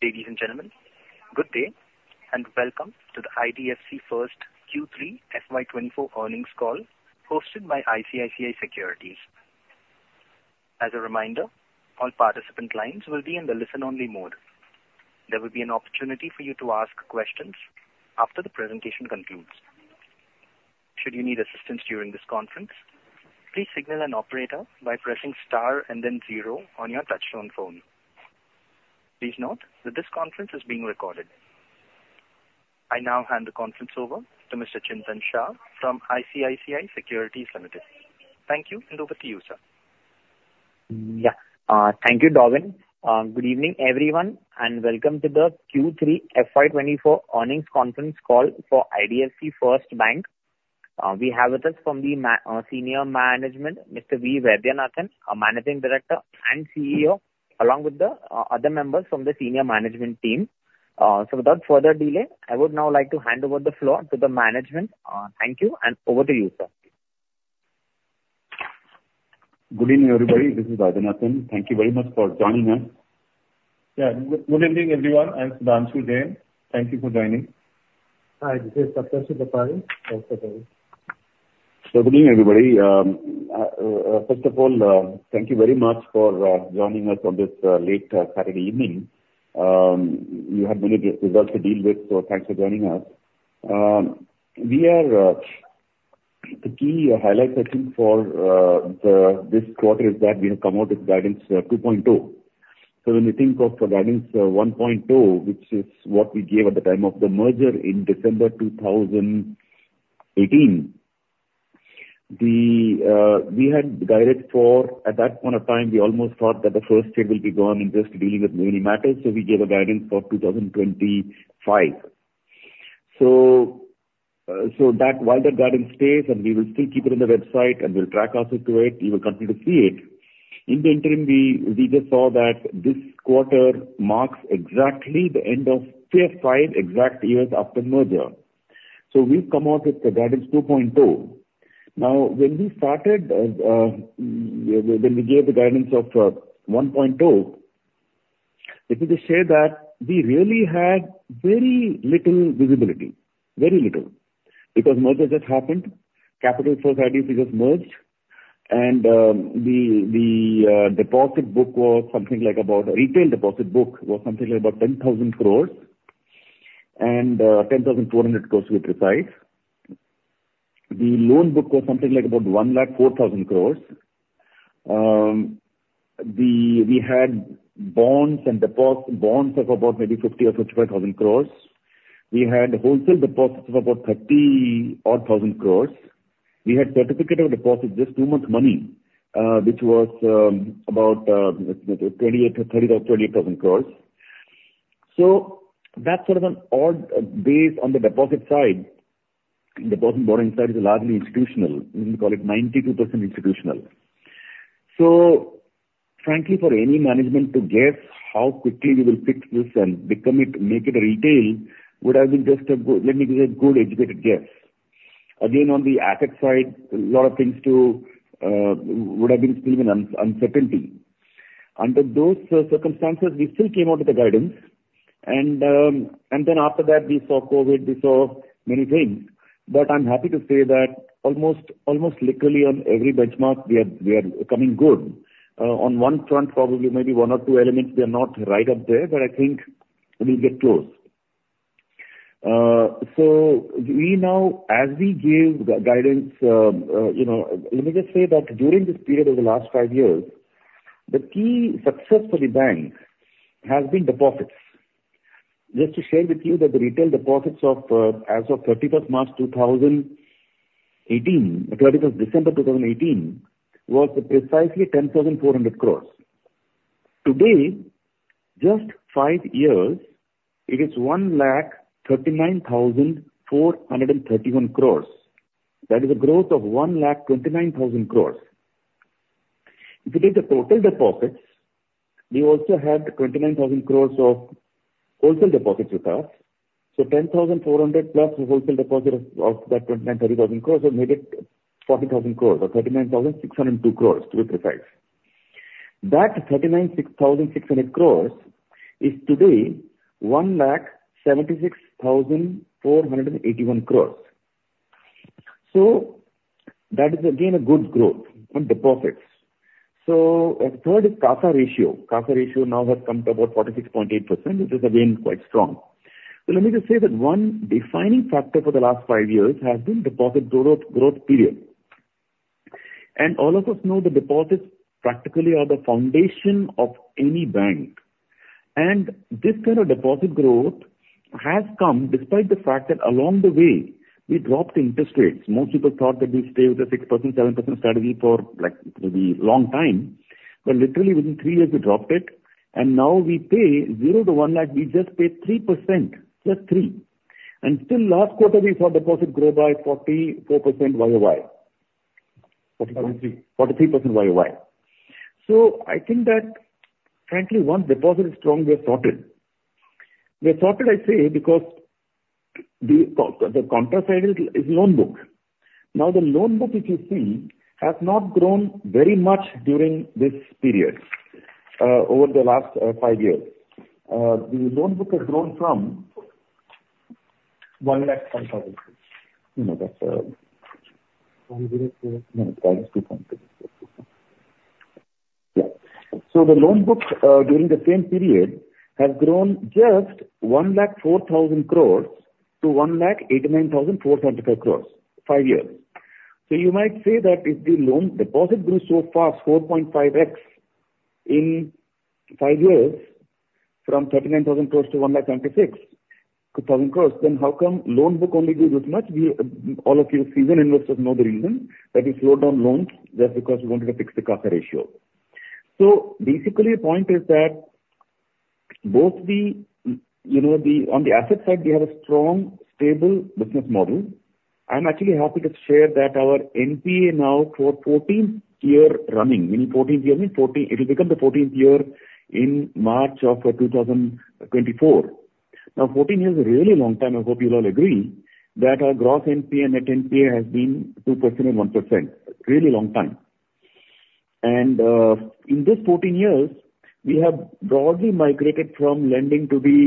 Ladies and gentlemen, good day, and welcome to the IDFC FIRST Q3 FY24 Earnings Call, hosted by ICICI Securities. As a reminder, all participant lines will be in the listen-only mode. There will be an opportunity for you to ask questions after the presentation concludes. Should you need assistance during this conference, please signal an operator by pressing star and then zero on your Touch-Tone phone. Please note that this conference is being recorded. I now hand the conference over to Mr. Chintan Shah from ICICI Securities Limited. Thank you, and over to you, sir. Yeah. Thank you, Darwin. Good evening, everyone, and welcome to the Q3 FY 2024 earnings conference call for IDFC FIRST Bank. We have with us from the senior management, Mr. V. Vaidyanathan, our Managing Director and CEO, along with the other members from the senior management team. So without further delay, I would now like to hand over the floor to the management. Thank you, and over to you, sir. Good evening, everybody, this is Vaidyanathan. Thank you very much for joining us. Good evening, everyone. I'm Sudhanshu Jain. Thank you for joining. Hi, this is Saptarshi Bapari. Welcome to you. Good evening, everybody. First of all, thank you very much for joining us on this late Saturday evening. You have many results to deal with, so thanks for joining us. We are. The key highlight, I think, for this quarter, is that we have come out with Guidance 2.0. So when you think of Guidance 1.0, which is what we gave at the time of the merger in December 2018, we had guided for, at that point of time, we almost thought that the first year will be gone in just dealing with many matters, so we gave a guidance for 2025. So that guided guidance stays, and we will still keep it on the website, and we'll track ourselves to it. You will continue to see it. In the interim, we just saw that this quarter marks exactly the end of exactly five years after merger. So we've come out with the Guidance 2.0. Now, when we started, when we gave the Guidance of 1.0, let me just share that we really had very little visibility, very little. Because merger just happened, Capital First, IDFC just merged, and the deposit book was something like about retail deposit book was something like about 10,000 crore, and 10, 400 crores, to be precise. The loan book was something like about 1 lakh 4 thousand crore. We had bonds and deposit bonds of about maybe 50,000 or 55,000 crore. We had wholesale deposits of about 30,000-odd crore. We had certificate of deposit, just two months' money, which was about, let's say, 28 to 30 or 28 thousand crore. So that's sort of an odd base on the deposit side. Deposit borrowing side is largely institutional, we call it 92% institutional. So frankly, for any management to guess how quickly we will fix this and become it, make it a retail, would have been just a good, let me give a good educated guess. Again, on the asset side, a lot of things would have been still in uncertainty. Under those circumstances, we still came out with a guidance, and then after that, we saw COVID, we saw many things. But I'm happy to say that almost literally on every benchmark, we are coming good. On one front, probably maybe one or two elements, we are not right up there, but I think we'll get close. So we now, as we gave the guidance, you know, let me just say that during this period of the last five years, the key success for the bank has been deposits. Just to share with you that the retail deposits of, as of 31 March 2018, 31 December 2018, was precisely 10,400 crore. Today, just five years, it is 1,39,431 crore. That is a growth of 1,29,000 crore. If you take the total deposits, we also had 29,000 crore of wholesale deposits with us. So 10,400 plus the wholesale deposit of that 29,000 to 30,000 crore, so maybe 40,000 crore or 39,602 crore, to be precise. That 39,600 crore is today 1,76,481 crore. So that is again a good growth on deposits. So a third is CASA ratio. CASA ratio now has come to about 46.8%, which is again quite strong. So let me just say that one defining factor for the last five years has been deposit growth, growth period. And all of us know that deposits practically are the foundation of any bank. And this kind of deposit growth has come despite the fact that along the way, we dropped interest rates. Most people thought that we'd stay with a 6%, 7% strategy for like, maybe long time, but literally within 3 years, we dropped it, and now we pay 0 to 1 lakh. We just pay 3%, just 3. And still last quarter, we saw deposit grow by 44% year-over-year. 43. 43% year-over-year. So I think that frankly, once deposit is strong, we are sorted. We are sorted, I say, because the contra side is loan book. Now, the loan book, if you see, has not grown very much during this period, over the last five years. The loan book has grown from INR 101,000 crore, you know, that's, yeah. So the loan book, during the same period has grown just 104,000 crore to 189,475 crore, five years. So you might say that if the loan deposit grows so fast, 4.5x in five years from 39,000 crore to 176,000 crore, then how come loan book only grew this much? We, all of you seasoned investors know the reason, that we slowed down loans just because we wanted to fix the CASA ratio. So basically, the point is that both the, you know, the on the asset side, we have a strong, stable business model. I'm actually happy to share that our NPA now for 14 years running, meaning 14 years, it will become the 14th year in March of 2024. Now, 14 years is a really long time, I hope you'll all agree, that our gross NPA net NPA has been 2% and 1%. A really long time. And, in this 14 years, we have broadly migrated from lending to the,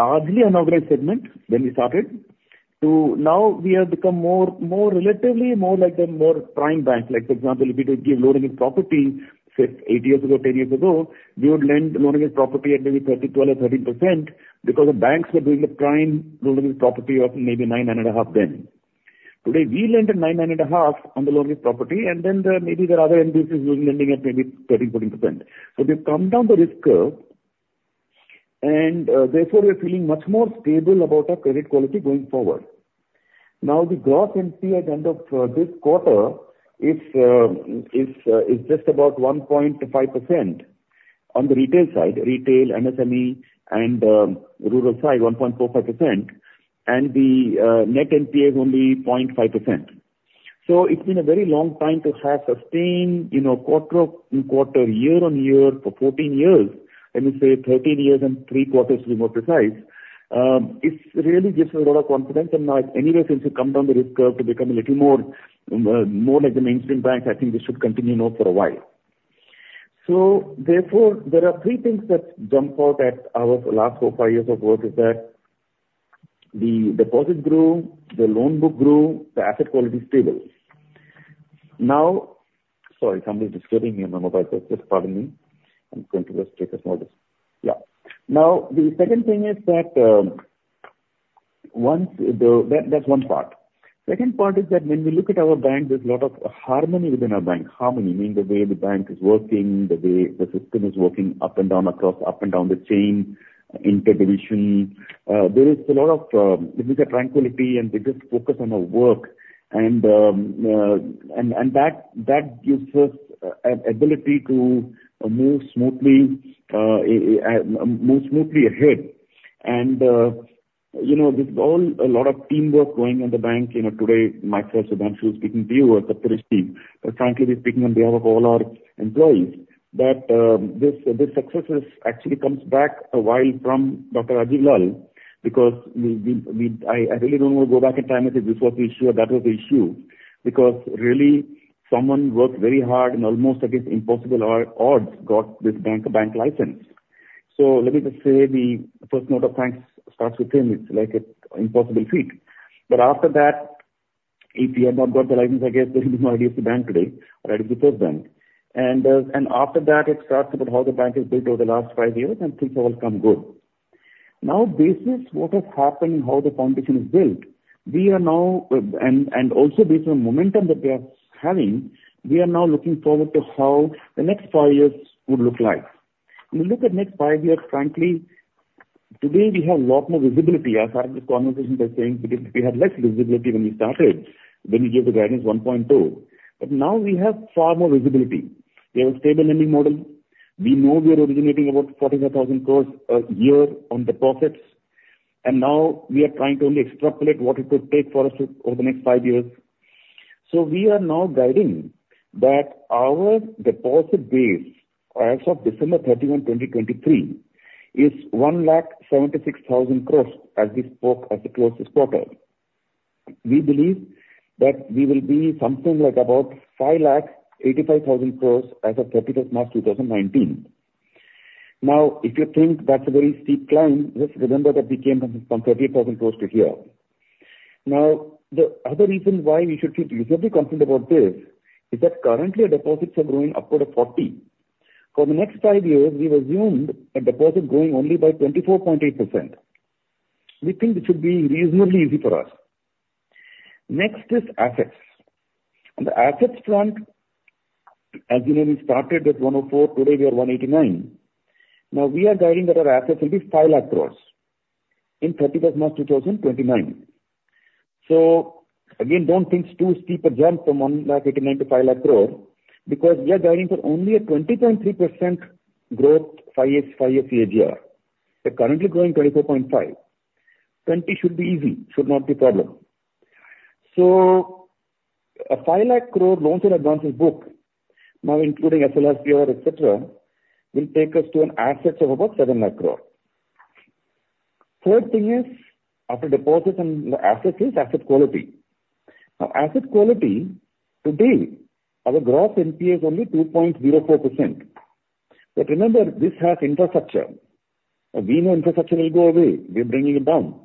largely unorganized segment when we started, to now we have become more, more relatively more like a more prime bank. Like, for example, if we were to give loan against property, say 8 years ago, 10 years ago, we would lend loan against property at maybe 12 or 13% because the banks were doing a prime loan against property of maybe 9, 9.5 then. Today, we lend at 9, 9.5 on the loan against property, and then there may be other NBFCs who are lending at maybe 30, 40%. So we've come down the risk curve, and therefore we are feeling much more stable about our credit quality going forward. Now, the gross NPA at the end of this quarter is just about 1.5% on the retail side. Retail, MSME and rural side, 1.45%, and the net NPA is only 0.5%. So it's been a very long time to have sustained, you know, quarter on quarter, year-on-year for 14 years, let me say 13 years and three quarters to be more precise. It really gives me a lot of confidence and now anyway, since we come down the risk curve to become a little more, more like the mainstream bank, I think this should continue now for a while. So therefore, there are three things that jump out at our last four, five years of work is that the deposit grew, the loan book grew, the asset quality stable. Now. Sorry, somebody is disturbing me on my mobile phone. Just pardon me. I'm going to just take a small this. Yeah. Now, the second thing is that, once the, that's one part. Second part is that when we look at our bank, there's a lot of harmony within our bank. Harmony, meaning the way the bank is working, the way the system is working up and down across, up and down the chain, inter-division. There is a lot of tranquility and we just focus on our work, and that gives us an ability to move smoothly ahead. And you know, this is all a lot of teamwork going on in the bank, you know, today, myself, Sudhanshu is speaking to you as a two-person team, but frankly, we're speaking on behalf of all our employees that this success actually comes back a while from Dr. Rajiv Lall, because we. I really don't want to go back in time and say this was the issue, or that was the issue, because really, someone worked very hard and almost against impossible odds, got this bank a bank license. So let me just say the first note of thanks starts with him. It's like an impossible feat. But after that, if he had not got the license, I guess there would be no IDFC Bank today, right? It's the first bank. And, and after that, it starts about how the bank is built over the last five years, and things have all come good. Now, basis what has happened and how the foundation is built, we are now, and, and also based on the momentum that we are having, we are now looking forward to how the next five years would look like. When we look at next five years, frankly, today we have a lot more visibility. I started this conversation by saying that we had less visibility when we started, when we gave the Guidance 1.0, but now we have far more visibility. We have a stable lending model. We know we are originating about 44,000 crore a year on deposits, and now we are trying to only extrapolate what it could take for us over the next five years. So we are now guiding that our deposit base as of December 31, 2023, is 176,000 crore as we spoke as it closes quarter. We believe that we will be something like about 585,000 crore as of March 31, 2019. Now, if you think that's a very steep climb, just remember that we came from 30,000 crore to here. Now, the other reason why we should feel reasonably confident about this is that currently our deposits are growing upward of 40%. For the next five years, we've assumed a deposit growing only by 24.8%. We think this should be reasonably easy for us. Next is assets. On the assets front, as you know, we started with 1.04 lakh crore, today we are 1.89 lakh crore. Now, we are guiding that our assets will be 5 lakh crore in thirty-first, March 2029. Again, don't think it's too steep a jump from 1.89 lakh crore to 5 lakh crore, because we are guiding for only a 20.3% growth, five years, five-year CAGR. We're currently growing 24.5%. 20 should be easy, should not be a problem. So, an 500,000 crore loans and advances book, now including SLR, et cetera, will take us to assets of about 700,000 crore. Third thing is, after deposits and assets is asset quality. Now, asset quality, today, our gross NPA is only 2.04%. But remember, this has infrastructure, and we know infrastructure will go away, we're bringing it down.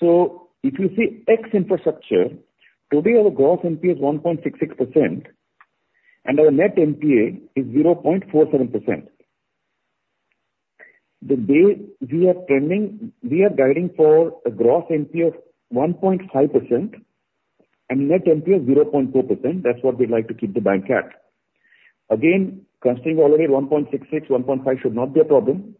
So if you see X infrastructure, today our gross NPA is 1.66%, and our net NPA is 0.47%. The way we are trending, we are guiding for a gross NPA of 1.5% and net NPA of 0.2%. That's what we'd like to keep the bank at. Again, considering already 1.66, 1.5 should not be a problem,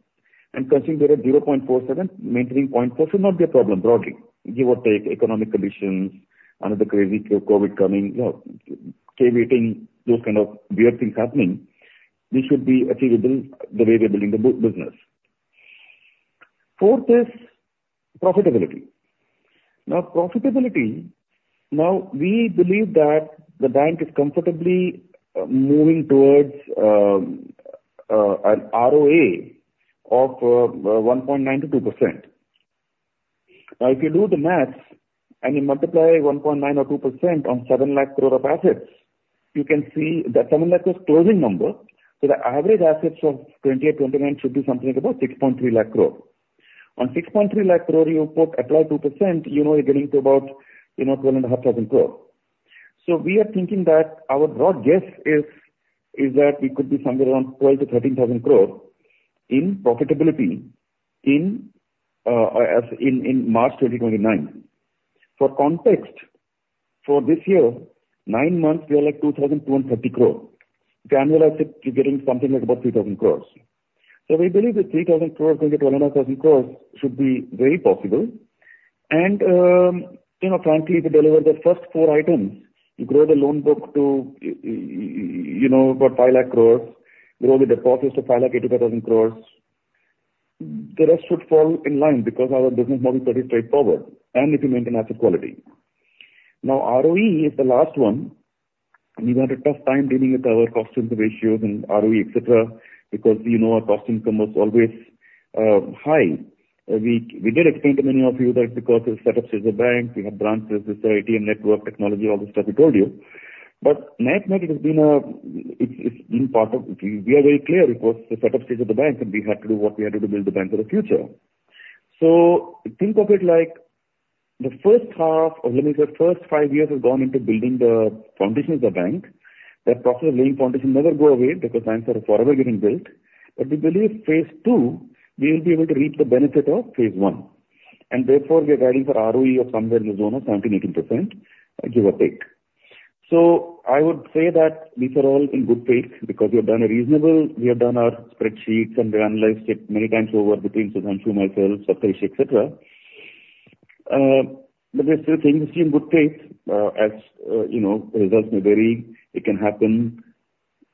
and considering we are at 0.47, maintaining 0.4 should not be a problem broadly. Give or take economic conditions, another crazy COVID coming, you know, caveating, those kind of weird things happening, this should be achievable the way we're building the business. Fourth is profitability. Now, profitability, now, we believe that the bank is comfortably moving towards an ROA of 1.9%-2%. Now, if you do the math and you multiply 1.9% or 2% on 700,000 crore of assets, you can see that 700,000 crore was closing number, so the average assets of 2028, 2029 should be something about 630,000 crore. On 630,000 crore, you put, apply 2%, you know, you're getting to about, you know, 12,500 crore. So we are thinking that our broad guess is, is that we could be somewhere around 12,000-13,000 crore in profitability in, uh, uh, as in, in March 2029. For context, for this year, nine months, we are like 2,230 crore. To annualize it, you're getting something like about 3,000 crore. So we believe that 3,000 crore going to 12,500 crore should be very possible. You know, frankly, if we deliver the first four items, you grow the loan book to, you know, about 500,000 crore, grow the deposits to 585,000 crore, the rest should fall in line because our business model pretty straightforward, and we can maintain asset quality. Now, ROA is the last one, and we've had a tough time dealing with our cost-income ratios and ROA, et cetera, because we know our cost-income was always high. We did explain to many of you that because it's a setup stage of the bank, we have branches, there's ATM network, technology, all the stuff we told you. But net, net, it has been, it's, it's been part of. We are very clear it was the setup stage of the bank, and we had to do what we had to do to build the bank for the future. So think of it like the first half or let me say first five years have gone into building the foundation of the bank. That process of laying foundation never go away because banks are forever getting built. But we believe phase two, we will be able to reap the benefit of phase one, and therefore we are guiding for ROA of somewhere in the zone of 17%-18%, give or take. So I would say that these are all in good faith because we have done our spreadsheets, and we've analyzed it many times over between Sudhanshu, myself, Saptarshi, et cetera. But these are things in good faith, as you know, results may vary. It can happen.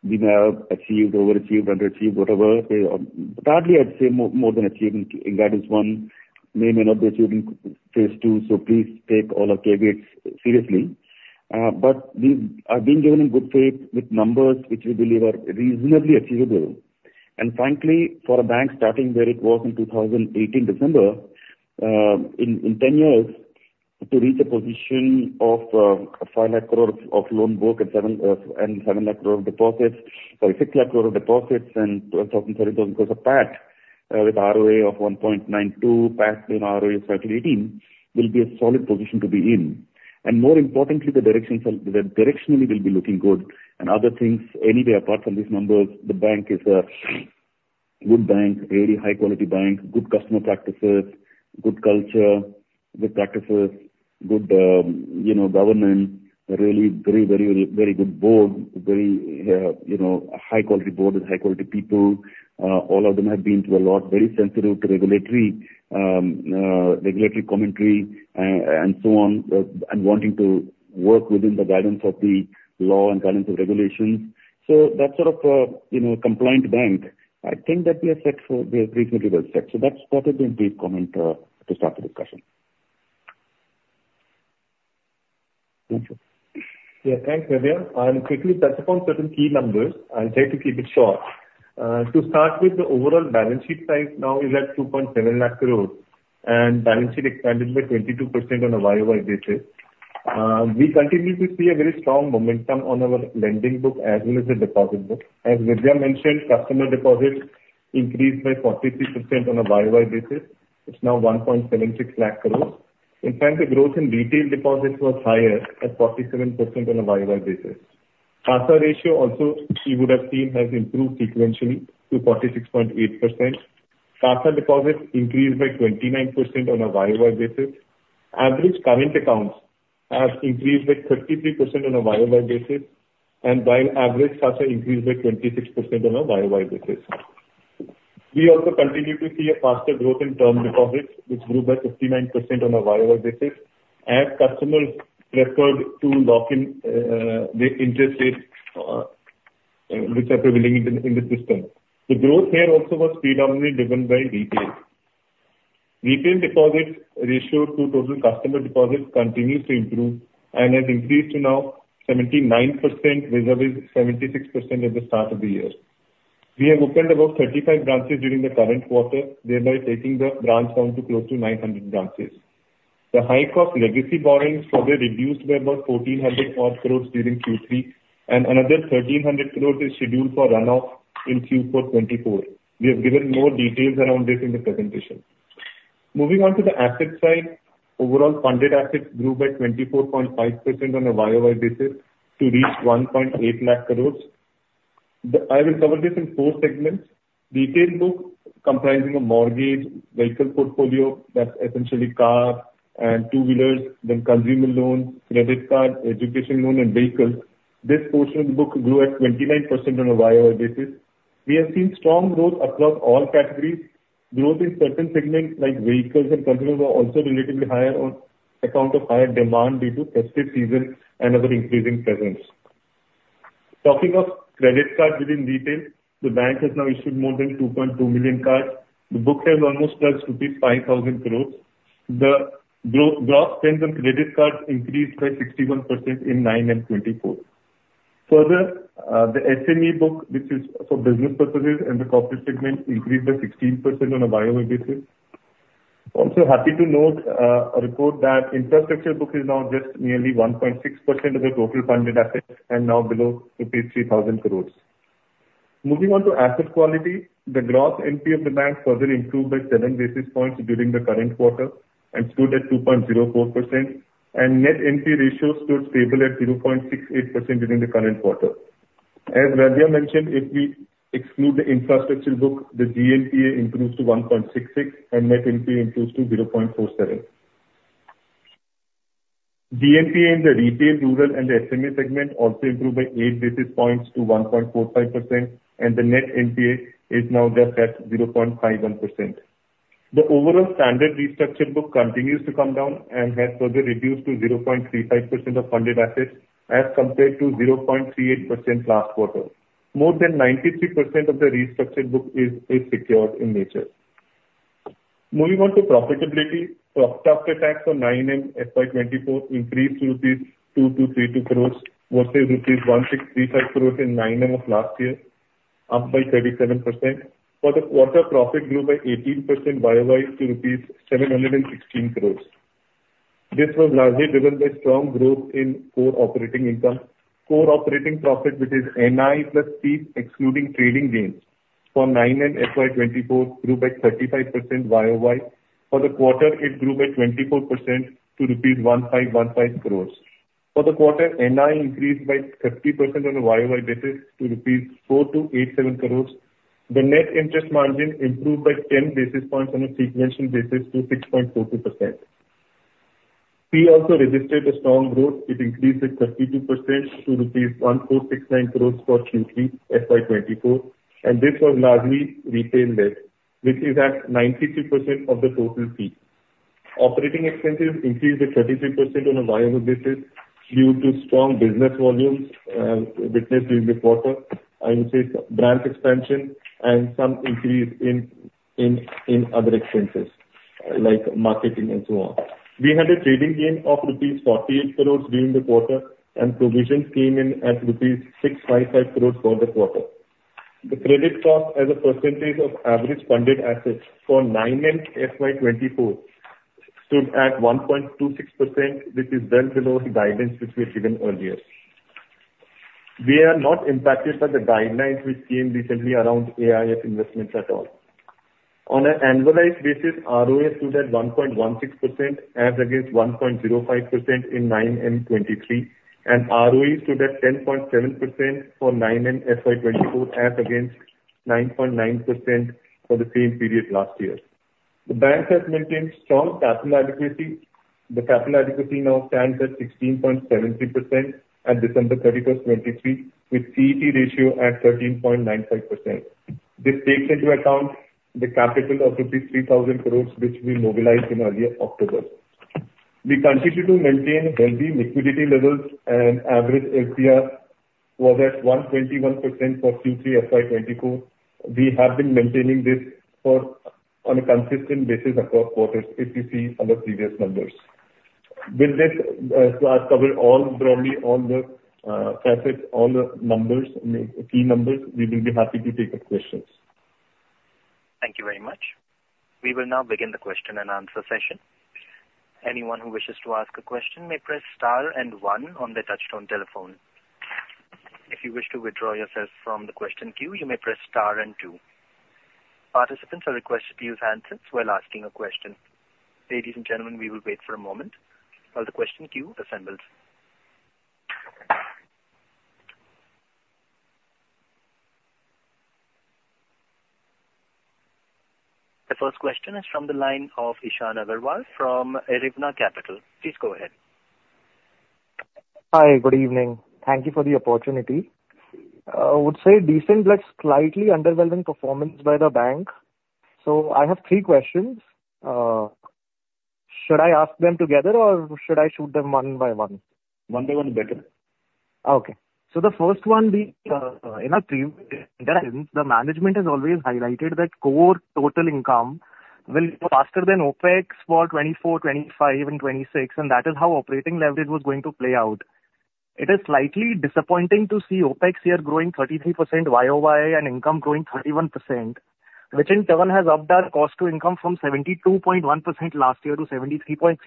We may have achieved, overachieved, underachieved, whatever. But largely I'd say more than achieving, and that is one may or may not be achieved in phase two, so please take all our caveats seriously. But we are being given in good faith with numbers which we believe are reasonably achievable. And frankly, for a bank starting where it was in 2018, December, in 10 years, to reach a position of 500,000 crore of loan book and 700,000 crore of deposits, sorry, 600,000 crore of deposits, and 12,000 to 13,000 crore of PAT, with ROA of 1.92, PAT and ROA of 18, will be a solid position to be in. And more importantly, the direction, directionally will be looking good. And other things, anyway, apart from these numbers, the bank is a good bank, really high quality bank, good customer practices, good culture, good practices, good, you know, governance, a really very, very, very good board, very, you know, a high quality board with high quality people. All of them have been through a lot, very sensitive to regulatory, regulatory commentary, and so on, and wanting to work within the guidance of the law and guidance of regulations. So that sort of, you know, compliant bank, I think that we are set for, we are reasonably well set. So that's probably a brief comment, to start the discussion. Thank you. Yeah. Thanks, Vidya. I'll quickly touch upon certain key numbers. I'll try to keep it short. To start with, the overall balance sheet size now is at 270,000 crore, and balance sheet expanded by 22% on a year-over-year basis. We continue to see a very strong momentum on our lending book, as well as the deposit book. As Vidya mentioned, customer deposits increased by 43% on a year-over-year basis. It's now 176,000 crore. In fact, the growth in retail deposits was higher at 47% on a year-over-year basis. CASA ratio also, you would have seen, has improved sequentially to 46.8%. CASA deposits increased by 29% on a year-over-year basis. Average current accounts have increased by 33% on a year-over-year basis, and by average, CASA increased by 26% on a year-over-year basis. We also continue to see a faster growth in term deposits, which grew by 59% on a year-over-year basis, as customers preferred to lock in the interest rates, which are prevailing in the system. The growth here also was predominantly driven by retail. Retail deposits ratio to total customer deposits continues to improve and has increased to now 79%, versus 76% at the start of the year. We have opened about 35 branches during the current quarter, thereby taking the branch count to close to 900 branches. The stock of legacy borrowings further reduced by about 1,400 crore during Q3, and another 1,300 crore is scheduled for runoff in Q4 2024. We have given more details around this in the presentation. Moving on to the asset side, overall funded assets grew by 24.5% on a year-over-year basis to reach 180,000 crore. I will cover this in four segments: retail book, comprising a mortgage, vehicle portfolio, that's essentially car and two-wheelers, then consumer loans, credit card, education loan and vehicles. This portion of the book grew at 29% on a year-over-year basis. We have seen strong growth across all categories. Growth in certain segments, like vehicles and consumers, are also relatively higher on account of higher demand due to festive season and our increasing presence. Talking of credit cards within retail, the bank has now issued more than 2.2 million cards. The book has almost reached 5,000 crore. The gross spend on credit cards increased by 61% in nine and 2024. Further, the SME book, which is for business purposes and the corporate segment, increased by 16% on a year-over-year basis. Also, happy to report that infrastructure book is now just nearly 1.6% of the total funded assets and now below rupees 3,000 crores. Moving on to asset quality. The gross NPA of the bank further improved by seven basis points during the current quarter and stood at 2.04%, and net NPA ratio stood stable at 0.68% during the current quarter. As Vaidya mentioned, if we exclude the infrastructure book, the GNPA improves to 1.66, and net NPA improves to 0.47. GNPA in the retail, rural, and the SME segment also improved by 8 basis points to 1.45%, and the net NPA is now just at 0.51%. The overall standard restructure book continues to come down and has further reduced to 0.35% of funded assets as compared to 0.38% last quarter. More than 93% of the restructured book is secured in nature. Moving on to profitability. Profit after tax for nine months FY 2024 increased to INR 2,232 crore, versus INR 1,635 crore in 9M of last year, up by 37%. For the quarter, profit grew by 18% year-over-year to rupees 716 crore. This was largely driven by strong growth in core operating income. Core operating profit, which is NII plus fees, excluding trading gains, for 9M and FY 2024, grew by 35% year-over-year. For the quarter, it grew by 24% to rupees 1,515 crore. For the quarter, NII increased by 50% on a year-over-year basis to rupees 4,287 crore. The net interest margin improved by 10 basis points on a sequential basis to 6.42%. Fee also registered a strong growth. It increased by 32% to rupees 1,469 crore for Q3, FY 2024, and this was largely retail led, which is at 92% of the total fee. Operating expenses increased by 33% on a year-over-year basis due to strong business volumes witnessed in this quarter, and with branch expansion and some increase in other expenses, like marketing and so on. We had a trading gain of rupees 48 crore during the quarter, and provisions came in at rupees 655 crore for the quarter. The credit cost as a percentage of average funded assets for nine months FY 2024 stood at 1.26%, which is well below the guidance which we had given earlier. We are not impacted by the guidelines which came recently around AIF investments at all. On an annualized basis, ROA stood at 1.16% as against 1.05% in 9M 2023, and ROA stood at 10.7% for nine months FY 2024, as against 9.9% for the same period last year. The bank has maintained strong capital adequacy. The capital adequacy now stands at 16.70% at December 31, 2023, with CET1 ratio at 13.95%. This takes into account the capital of rupees 3,000 crore, which we mobilized in earlier October. We continue to maintain healthy liquidity levels, and average LCR was at 121% for Q3 FY 2024. We have been maintaining this for, on a consistent basis across quarters, if you see our previous numbers. With this, so I've covered all, broadly all the, facets, all the numbers, the key numbers. We will be happy to take the questions. Thank you very much. We will now begin the question and answer session. Anyone who wishes to ask a question may press star and one on their touchtone telephone. If you wish to withdraw yourself from the question queue, you may press star and two. Participants are requested to use handsets while asking a question. Ladies and gentlemen, we will wait for a moment while the question queue assembles. The first question is from the line of Ishan Agarwal from Erevna Capital. Please go ahead. Hi, good evening. Thank you for the opportunity. I would say decent, but slightly underwhelming performance by the bank. So I have three questions. Should I ask them together or should I shoot them one by one? One by one is better. Okay. So the first one be, in our preview, the management has always highlighted that core total income will be faster than OpEx for 2024, 2025 and 2026, and that is how operating leverage was going to play out. It is slightly disappointing to see OpEx here growing 33% year-over-year, and income growing 31%, which in turn has upped our cost to income from 72.1% last year to 73.3%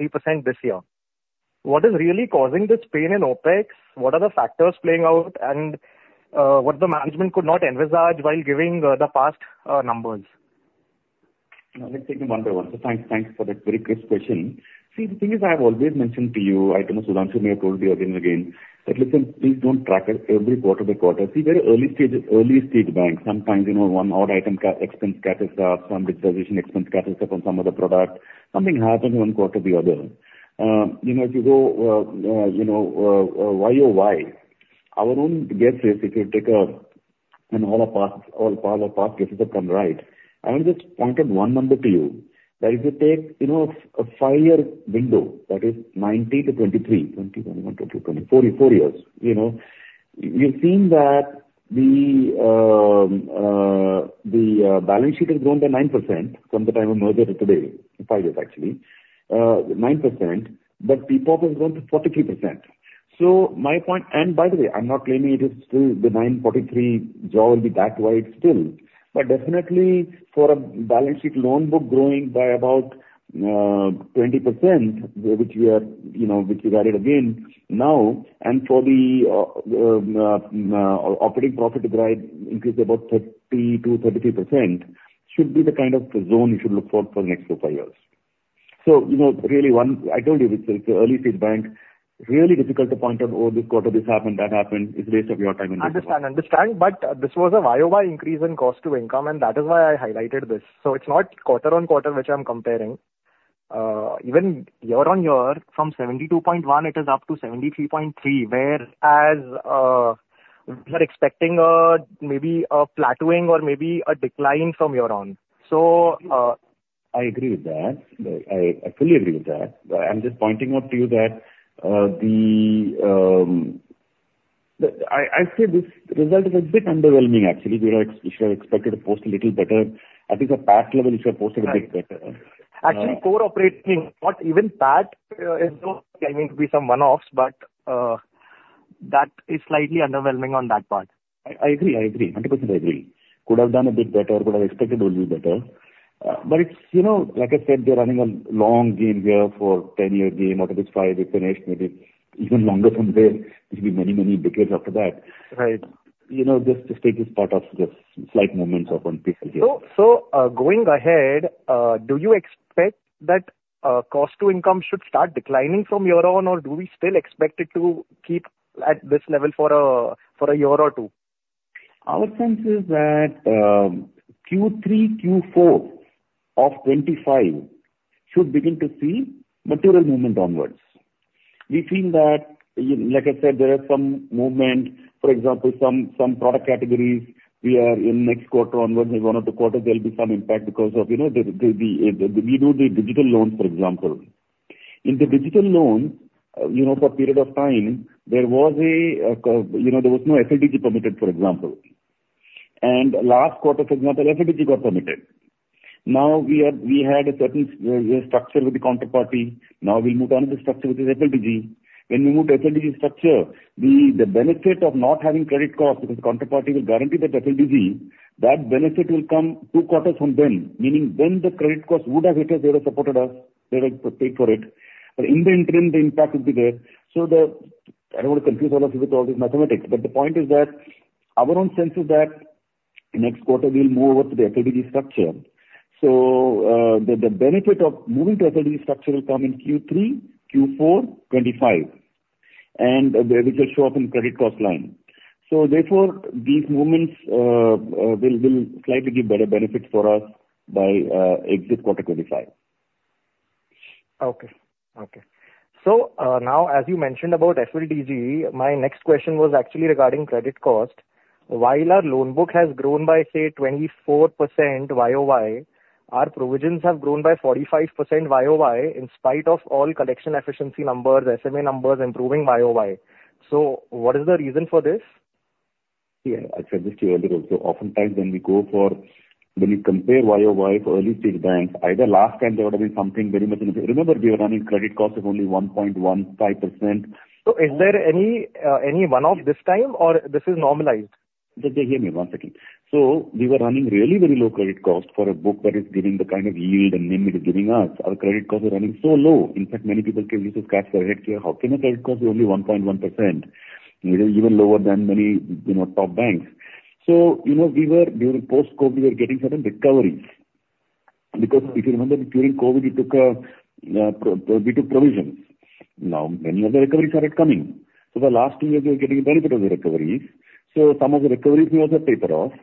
this year. What is really causing this pain in OpEx? What are the factors playing out, and what the management could not envisage while giving the past numbers? Let's take them one by one. So thanks, thanks for that very crisp question. See, the thing is, I have always mentioned to you, I know Sudhanshu may have told you again and again, that listen, please don't track it every quarter by quarter. See, very early stage, early stage bank, sometimes, you know, one odd item ca- expense catches up, some disposition expense catches up on some other product. Something happens one quarter or the other. You know, if you go, year-over-year, our own guess is if you take a, an all of parts, all part of parts cases that come, right? I want to just point out one number to you, that if you take, you know, a 5-year window, that is 2019 to 2023, 2020, 2021 to 2024, four years, you know, we've seen that the balance sheet has grown by 9% from the time of merger to today, 5 years actually. 9%, but the CASA has grown to 43%. So my point. And by the way, I'm not claiming it is still the 9, 43 CASA still. But definitely for a balance sheet loan book growing by about 20%, which we are, you know, which we guided again now, and for the operating profit to grow, increase about 30%-33% should be the kind of zone you should look for for the next 2-5 years. You know, really, I told you, it's an early stage bank, really difficult to point out, oh, this quarter, this happened, that happened. It's waste of your time and my time. Understand. Understand, but this was a year-over-year increase in cost to income, and that is why I highlighted this. So it's not quarter-on-quarter, which I'm comparing. Even year-on-year, from 72.1, it is up to 73.3, whereas, we are expecting, maybe a plateauing or maybe a decline from your own. So, I agree with that. I fully agree with that. But I'm just pointing out to you that I say this result is a bit underwhelming actually. We should have expected to post a little better. I think the past level, we should have posted a bit better. Right. Actually, core operating, not even that, there may be some one-offs, but, that is slightly underwhelming on that part. I, I agree. I agree. 100% I agree. Could have done a bit better, could have expected a little better. But it's, you know, like I said, we are running a long game here for 10-year game, out of which five is finished, maybe even longer from there, it'll be many, many decades after that. Right. You know, just to take this part of the slight moments of one piece again. So, going ahead, do you expect that cost to income should start declining from your own, or do we still expect it to keep at this level for a year or two? Our sense is that Q3, Q4 of 2025 should begin to see material movement onwards. We think that, like I said, there are some movement, for example, some product categories, we are in next quarter onwards, in one or two quarters there will be some impact because of, you know, there'll be, we do the digital loans, for example. In the digital loans, you know, for a period of time, there was, you know, there was no FLDG permitted, for example. And last quarter, for example, FLDG got permitted. Now, we have, we had a certain structure with the counterparty. Now we move on to the structure with the FLDG. When we move to FLDG structure, the benefit of not having credit cost, because the counterparty will guarantee that FLDG, that benefit will come two quarters from then, meaning then the credit cost would have hit us, they would have supported us, they would have paid for it. But in the interim, the impact will be there. So I don't want to confuse all of you with all these mathematics, but the point is that our own sense is that next quarter we'll move over to the FLDG structure. So, the benefit of moving to FLDG structure will come in Q3, Q4 2025, and, which will show up in credit cost line. So therefore, these moments, will slightly give better benefits for us by, exit quarter 2025. Okay. Okay. So, now, as you mentioned about FLDG, my next question was actually regarding credit cost. While our loan book has grown by, say, 24% year-over-year, our provisions have grown by 45% year-over-year, in spite of all collection efficiency numbers, SMA numbers improving year-over-year. So what is the reason for this? Yeah, I said this to you earlier also. Oftentimes, when we go for, when we compare year-over-year for early stage banks, either last time there would have been something very much in. Remember, we were running credit costs of only 1.15%. Is there any one-off this time, or this is normalized? Just hear me one second. So we were running really very low credit cost for a book that is giving the kind of yield and NIM it is giving us. Our credit costs are running so low, in fact, many people came to us to scratch their head, "How can your credit cost be only 1.1%?" It is even lower than many, you know, top banks. So, you know, we were, during post-COVID, we were getting certain recoveries. Because if you remember, during COVID, we took provisions. Now, many of the recoveries started coming. So the last two years we were getting a benefit of the recoveries. So some of the recoveries we also paid off.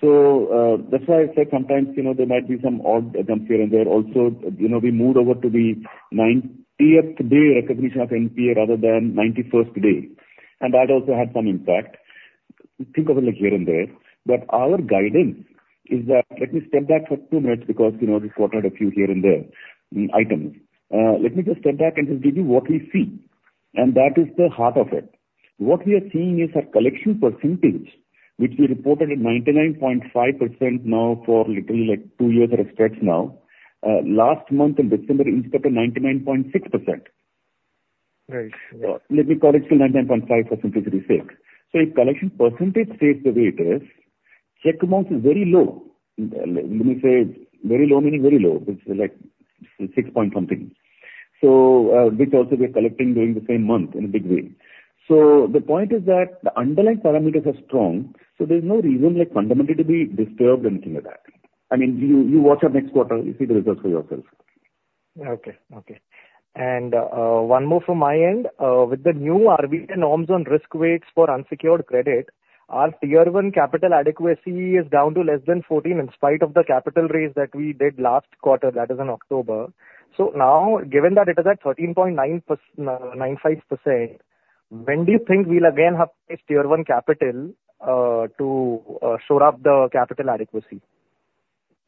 So, that's why I said sometimes, you know, there might be some odd items here and there. Also, you know, we moved over to the 90th day recognition of NPA rather than 91st day, and that also had some impact. Think of it like here and there, but our guidance is that, let me step back for 2 minutes because, you know, we've quoted a few here and there, items. Let me just step back and just give you what we see, and that is the heart of it. What we are seeing is our collection percentage, which we reported at 99.5% now for little, like, 2 years or expects now, last month in December increased up to 99.6%. Right. Let me call it to 99.5 for simplicity sake. So if collection percentage stays the way it is, cheque bounce is very low. Let me say, very low meaning very low, it's like 6 point something. So, which also we are collecting during the same month in a big way. So the point is that the underlying parameters are strong, so there's no reason, like, fundamentally to be disturbed or anything like that. I mean, you, you watch our next quarter, you'll see the results for yourself. Okay. Okay. And, one more from my end. With the new RBI norms on risk weights for unsecured credit, our Tier 1 capital adequacy is down to less than 14, in spite of the capital raise that we did last quarter, that is in October. So now, given that it is at 13.95%, when do you think we'll again have a Tier 1 capital, to, shore up the capital adequacy?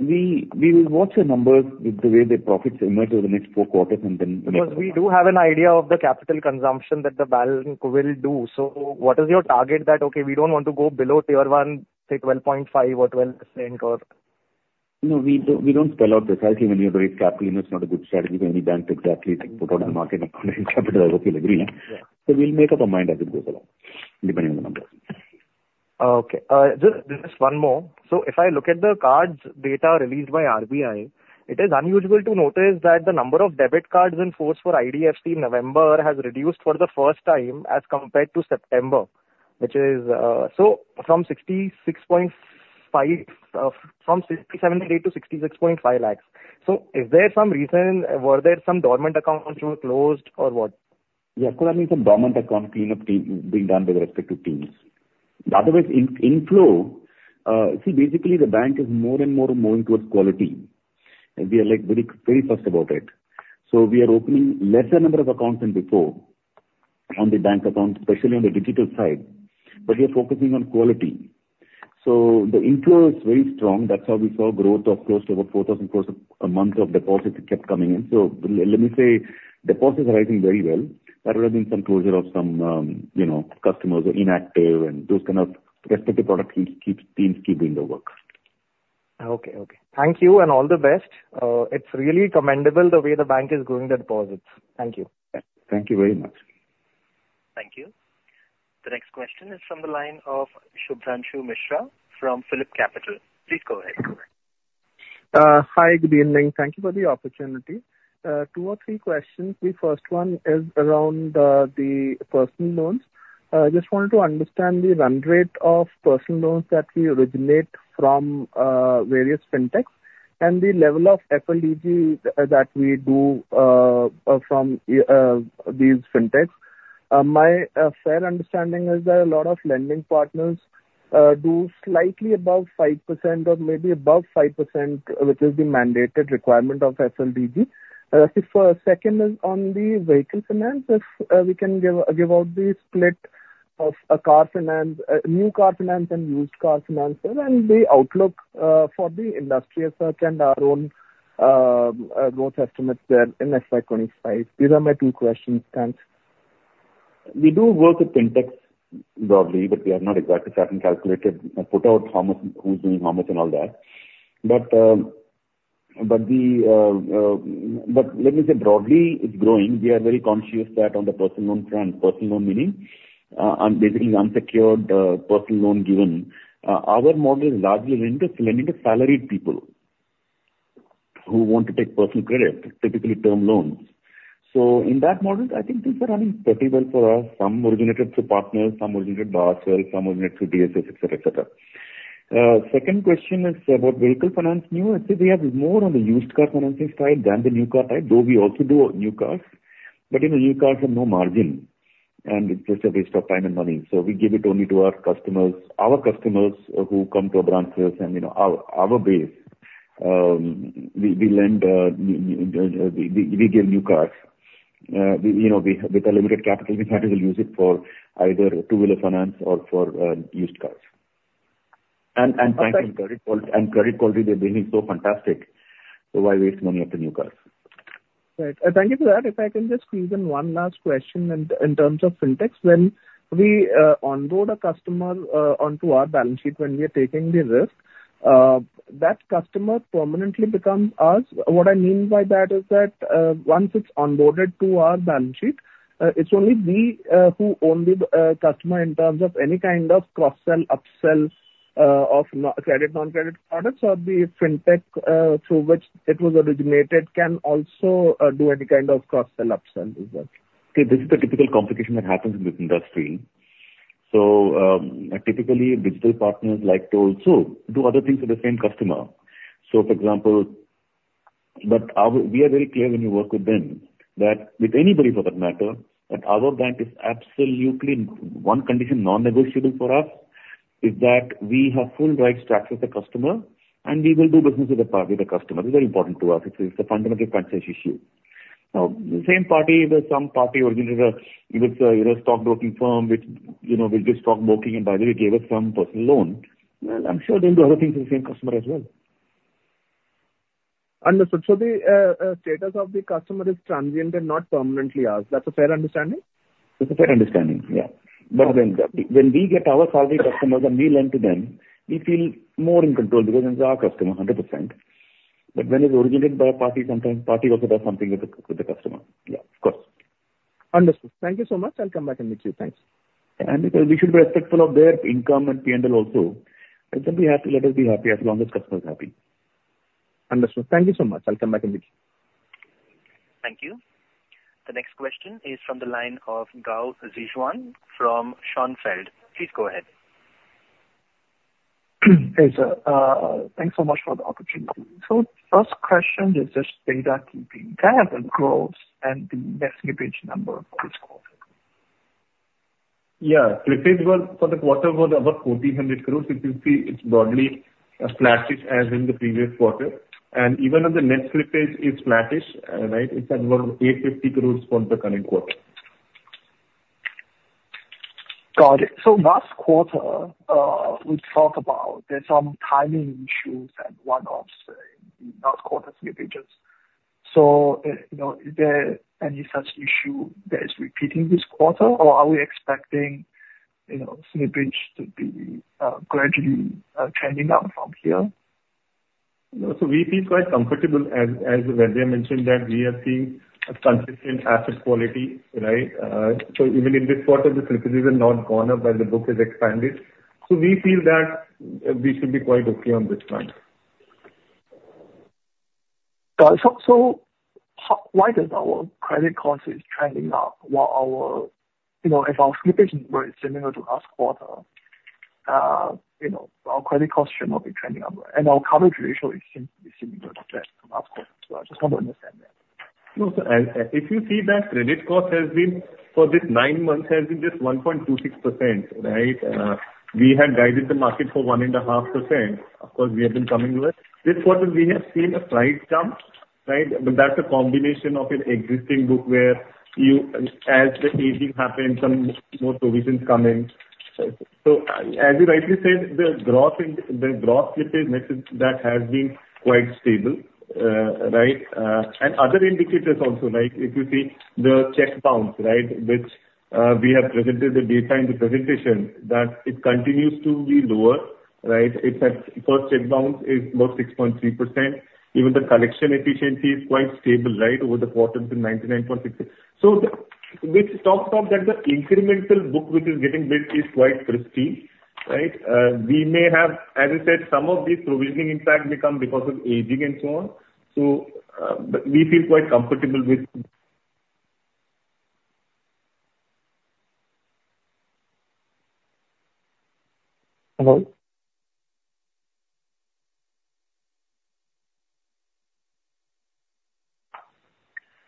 We will watch the numbers with the way the profits emerge over the next four quarters. Because we do have an idea of the capital consumption that the balance will do. So what is your target? That, okay, we don't want to go below Tier 1, say, 12.5% or 12% or? No, we don't, we don't spell out precisely when you raise capital, it's not a good strategy for any bank to exactly put out in the market how much capital, agree? Yeah. We'll make up our mind as we go along, depending on the numbers. Okay. Just, just one more. So if I look at the cards data released by RBI, it is unusual to notice that the number of debit cards in force for IDFC in November has reduced for the first time as compared to September, which is, So from 66.5, from 67.8 lakh to 66.5 lakh. So is there some reason? Were there some dormant accounts were closed, or what? Yeah, could have been some dormant account cleanup that being done by the respective teams. The other is inflow, see, basically, the bank is more and more moving towards quality, and we are, very, very fast about it. So we are opening lesser number of accounts than before, on the bank account, especially on the digital side, but we are focusing on quality. So the inflow is very strong, that's how we saw growth of close to about 4,000 crore a month of deposits kept coming in. So let me say, deposits are rising very well. There have been some closure of some, you know, customers who are inactive and those kind of respective product teams keeping the work. Okay. Okay. Thank you, and all the best. It's really commendable the way the bank is growing the deposits. Thank you. Thank you very much. Thank you. The next question is from the line of Shubhranshu Mishra from PhillipCapital. Please go ahead. Hi, good evening. Thank you for the opportunity. Two or three questions. The first one is around the personal loans. Just wanted to understand the run rate of personal loans that we originate from various fintechs, and the level of FLDG that we do from these fintechs. My fair understanding is that a lot of lending partners do slightly above 5% or maybe above 5%, which is the mandated requirement of FLDG. The second is on the vehicle finance. If we can give out the split of a car finance, new car finance and used car finance, and the outlook for the industry as such and our own growth estimates there in FY 2025. These are my two questions. Thanks. We do work with fintechs broadly, but we have not exactly sat and calculated or put out how much, who's doing how much and all that. But, but let me say broadly, it's growing. We are very conscious that on the personal loan front, personal loan meaning, basically unsecured, personal loan given, our model is largely lending to, lending to salaried people who want to take personal credit, typically term loans. So in that model, I think things are running pretty well for us. Some originated through partners, some originated by ourselves, some originated through DSAs et cetera, et cetera. Second question is about vehicle finance. New, I'd say we have more on the used car financing side than the new car side, though we also do new cars. But, you know, new cars have no margin, and it's just a waste of time and money, so we give it only to our customers. Our customers who come to our branches and, you know, our, our base, we lend, we give new cars. You know, we, with the limited capital, we try to use it for either two-wheeler finance or for used cars. Thank you. Credit quality, they're being so fantastic, so why waste money on the new cars? Right. Thank you for that. If I can just squeeze in one last question in terms of fintechs. When we onboard a customer onto our balance sheet, when we are taking the risk, that customer permanently becomes ours? What I mean by that is that, once it's onboarded to our balance sheet, it's only we who own the customer in terms of any kind of cross-sell, up-sell of non-credit products, or the fintech through which it was originated can also do any kind of cross-sell, up-sell as well? Okay, this is the typical complication that happens in this industry. So, typically, digital partners like to also do other things for the same customer. So, for example. But we are very clear when you work with them, that with anybody for that matter, that our bank is absolutely, one condition non-negotiable for us, is that we have full rights to access the customer, and we will do business with the customer. This is very important to us. It is a fundamental franchise issue. Now, the same party, the same party originated with a, you know, stockbroking firm, which, you know, with this stockbroking, and by the way, gave us some personal loan. Well, I'm sure they'll do other things to the same customer as well. Understood. So the status of the customer is transient and not permanently ours. Is that a fair understanding? That's a fair understanding, yeah. But when we get our salary customers and we lend to them, we feel more in control because it's our customer 100%. But when it's originated by a party, sometimes party also does something with the customer. Yeah, of course. Understood. Thank you so much. I'll come back and meet you. Thanks. We should be respectful of their income and P&L also. Let them be happy. Let us be happy as long as customer is happy. Understood. Thank you so much. I'll come back and meet you. Thank you. The next question is from the line of Gao Zhixuan from Schonfeld. Please go ahead. Hey, sir. Thanks so much for the opportunity. So first question is just data keeping, the growth and the net slippage number for this quarter. Yeah. Slippage were, for the quarter, over 1,400 crore. If you see, it's broadly, flattish as in the previous quarter, and even if the net slippage is flattish, right, it's at around 850 crore for the current quarter. Got it. So last quarter, we talked about there's some timing issues and one-offs in last quarter slippages. So, you know, is there any such issue that is repeating this quarter, or are we expecting, you know, slippage to be gradually trending up from here? No. So we feel quite comfortable as Vaidya mentioned, that we are seeing a consistent asset quality, right? So even in this quarter, the slippages have not gone up, and the book is expanded. So we feel that we should be quite okay on this front. Got it. So, why is our credit cost trending up while our. You know, if our slippage were similar to last quarter, you know, our credit cost should not be trending up, and our coverage ratio is similar to that from last quarter. So I just want to understand that. No, sir. If you see that credit cost has been, for this nine months, has been just 1.26%, right? We had guided the market for 1.5%. Of course, we have been coming less. This quarter, we have seen a slight jump, right? But that's a combination of an existing book where you, as the aging happens, some more provisions come in. So, as you rightly said, the growth slippage, that has been quite stable, right? And other indicators also, like if you see the cheque bounce, right, which, we have presented the data in the presentation, that it continues to be lower, right? It's at, first cheque bounce is about 6.3%. Even the collection efficiency is quite stable, right? Over the quarter it's been 99.6. So this talks of that the incremental book which is getting built is quite crispy, right? We may have, as I said, some of these provisioning impacts may come because of aging and so on. So, but we feel quite comfortable with. Hello?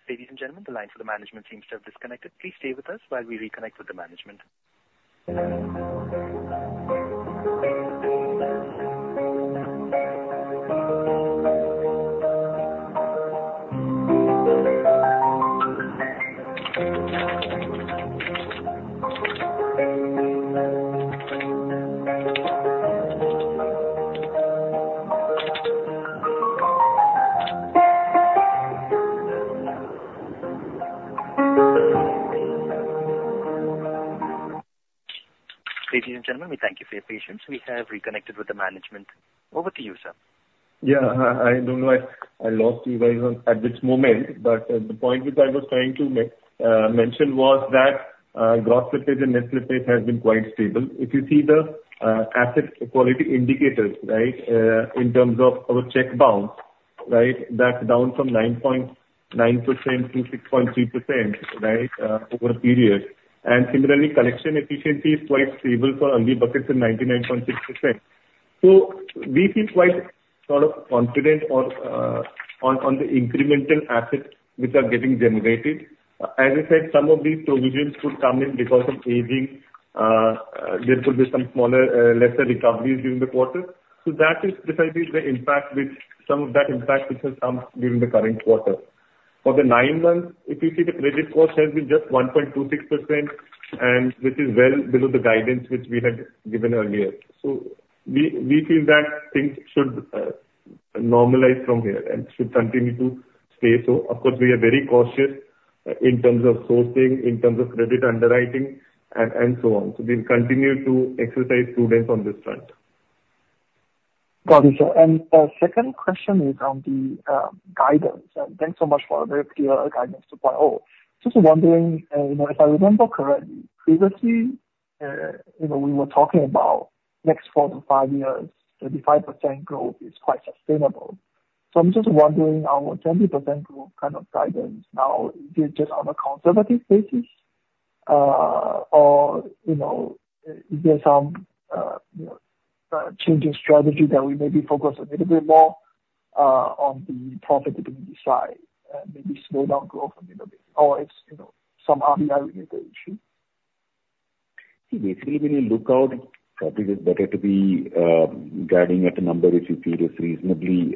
Ladies and gentlemen, the line for the management seems to have disconnected. Please stay with us while we reconnect with the management. Ladies and gentlemen, we thank you for your patience. We have reconnected with the management. Over to you, sir. Yeah, I don't know I, I lost you guys on, at this moment, but, the point which I was trying to mention was that, gross slippage and net slippage has been quite stable. If you see the, asset quality indicators, right, in terms of our cheque bounce, right? That's down from 9.9% to 6.3%, right, over a period, and similarly, collection efficiency is quite stable for early buckets at 99.6%. So we feel quite sort of confident on the incremental assets which are getting generated. As I said, some of these provisions could come in because of aging. There could be some smaller, lesser recoveries during the quarter. So that is precisely the impact which some of that impact, which has come during the current quarter. For the nine months, if you see the credit cost has been just 1.26%, and which is well below the guidance which we had given earlier. So we, we feel that things should normalize from here and should continue to stay. So of course, we are very cautious in terms of sourcing, in terms of credit underwriting and, and so on, so we'll continue to exercise prudence on this front. Got it, sir. And the second question is on the guidance, and thanks so much for a very clear guidance too. Just wondering, you know, if I remember correctly, previously, you know, we were talking about next four to five years, 35% growth is quite sustainable. So I'm just wondering, our 20% growth kind of guidance now, is it just on a conservative basis, or you know, is there some, you know, changing strategy that we may be focused a little bit more on the profitability side, maybe slow down growth a little bit, or it's, you know, some other issue? See, basically, when you look out, probably it's better to be guiding at a number which you feel is reasonably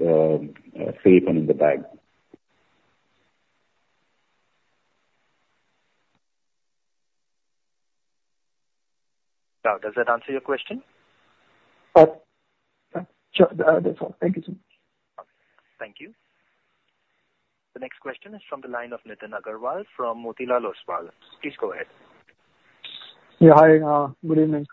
safe and in the bag. Now, does that answer your question? Yeah, sure, that's all. Thank you, sir. Thank you. The next question is from the line of Nitin Aggarwal from Motilal Oswal. Please go ahead. Yeah, hi, good evening.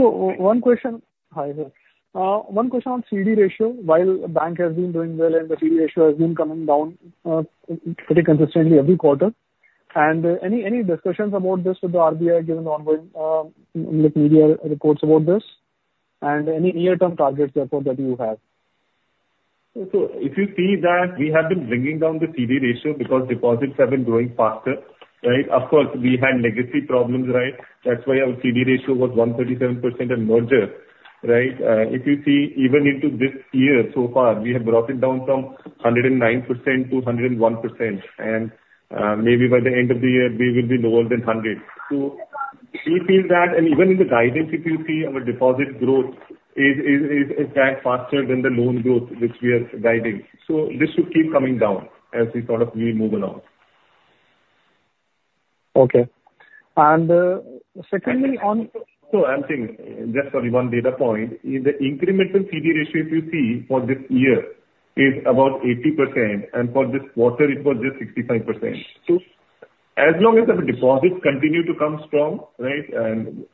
One question on CD ratio, while the bank has been doing well and the CD ratio has been coming down pretty consistently every quarter, and any discussions about this with the RBI, given the ongoing, like, media reports about this, and any near-term targets therefore that you have? So if you see that we have been bringing down the CD ratio because deposits have been growing faster, right? Of course, we had legacy problems, right? That's why our CD ratio was 137% at merger, right? If you see even into this year so far, we have brought it down from 109% to 101%, and maybe by the end of the year, we will be lower than 100%. So we feel that and even in the guidance, if you see, our deposit growth is growing faster than the loan growth which we are guiding. So this should keep coming down as we sort of move along. Okay. And, secondly, on. So, I'm saying, just sorry, one data point, is the incremental CD ratio, if you see for this year, is about 80%, and for this quarter it was just 65%. So as long as our deposits continue to come strong, right, and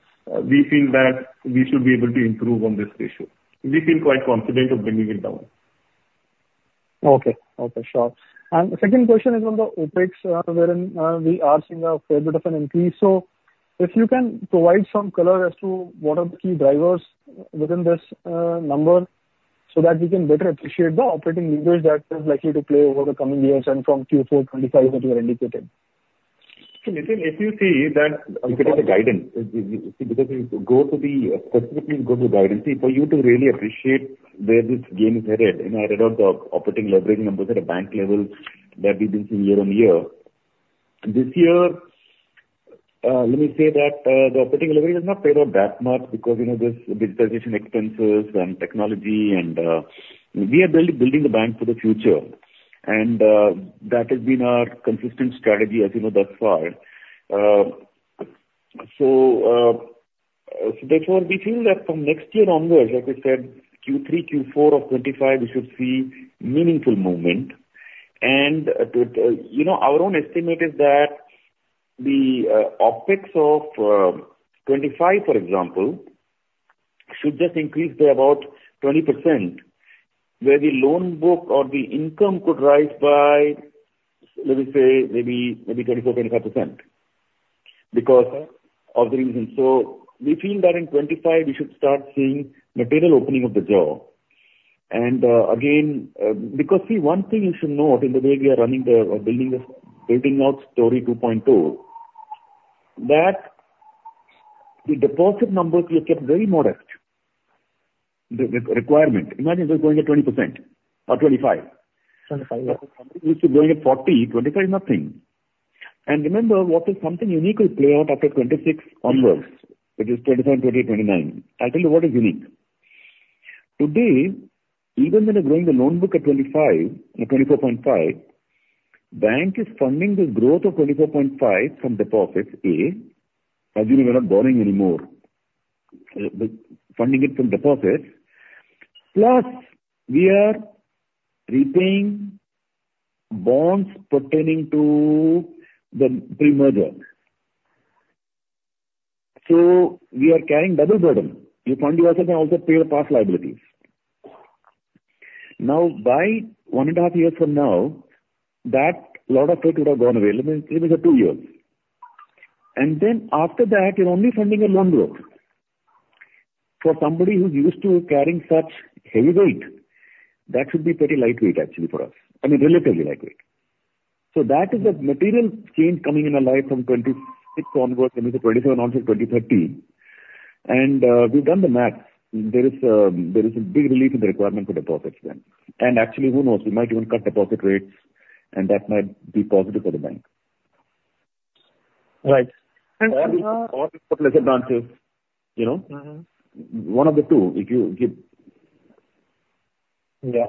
we feel that we should be able to improve on this ratio. We feel quite confident of bringing it down. Okay. Okay, sure. The second question is on the OpEx, wherein we are seeing a fair bit of an increase. If you can provide some color as to what are the key drivers within this number, so that we can better appreciate the operating leverage that is likely to play over the coming years and from Q4 25 that you have indicated. So, Nitin, if you see that—looking at the guidance, because if you go to the, specifically go to the guidance, see, for you to really appreciate where this game is headed, you know, rather than the operating leverage numbers at a bank level that we've been seeing year-on-year, this year, let me say that, the operating leverage has not played out that much because we know there's digitization expenses and technology and, we are building a bank for the future. And, that has been our consistent strategy, as you know, thus far. So therefore, we feel that from next year onwards, like I said, Q3, Q4 of 2025, we should see meaningful movement. And, you know, our own estimate is that the OpEx of 2025, for example, should just increase by about 20%, where the loan book or the income could rise by, let me say, maybe 24%-25% because of the reason. So we feel that in 2025 we should start seeing material opening of the door. And, again, because, see, one thing you should note in the way we are running the, or building this, building out story 2.0, that the deposit numbers we have kept very modest, the requirement. Imagine we're growing at 20% or 25%. We used to growing at 40, 25, nothing. Remember, what is something unique will play out after 26 onwards, which is 2027, 2028, 2029. I'll tell you what is unique. Today, even when you're growing the loan book at 25 or 24.5, bank is funding the growth of 24.5 from deposits. As you know, we're not borrowing anymore, but funding it from deposits. Plus, we are repaying bonds pertaining to the pre-merger. We are carrying double burden. You fund your asset and also pay the past liabilities. Now, by one and a half years from now, that lot of it would have gone away, let me say maybe two years. After that, you're only funding a loan book. For somebody who's used to carrying such heavyweight, that should be pretty lightweight actually for us, I mean, relatively lightweight. So that is the material change coming in our life from 2026 onwards, let me say '27 onwards to 2030. And, we've done the math. There is, there is a big relief in the requirement for deposits then. And actually, who knows? We might even cut deposit rates, and that might be positive for the bank. Right. And. Or we put lesser branches, you know? One of the two, if you give. Yeah.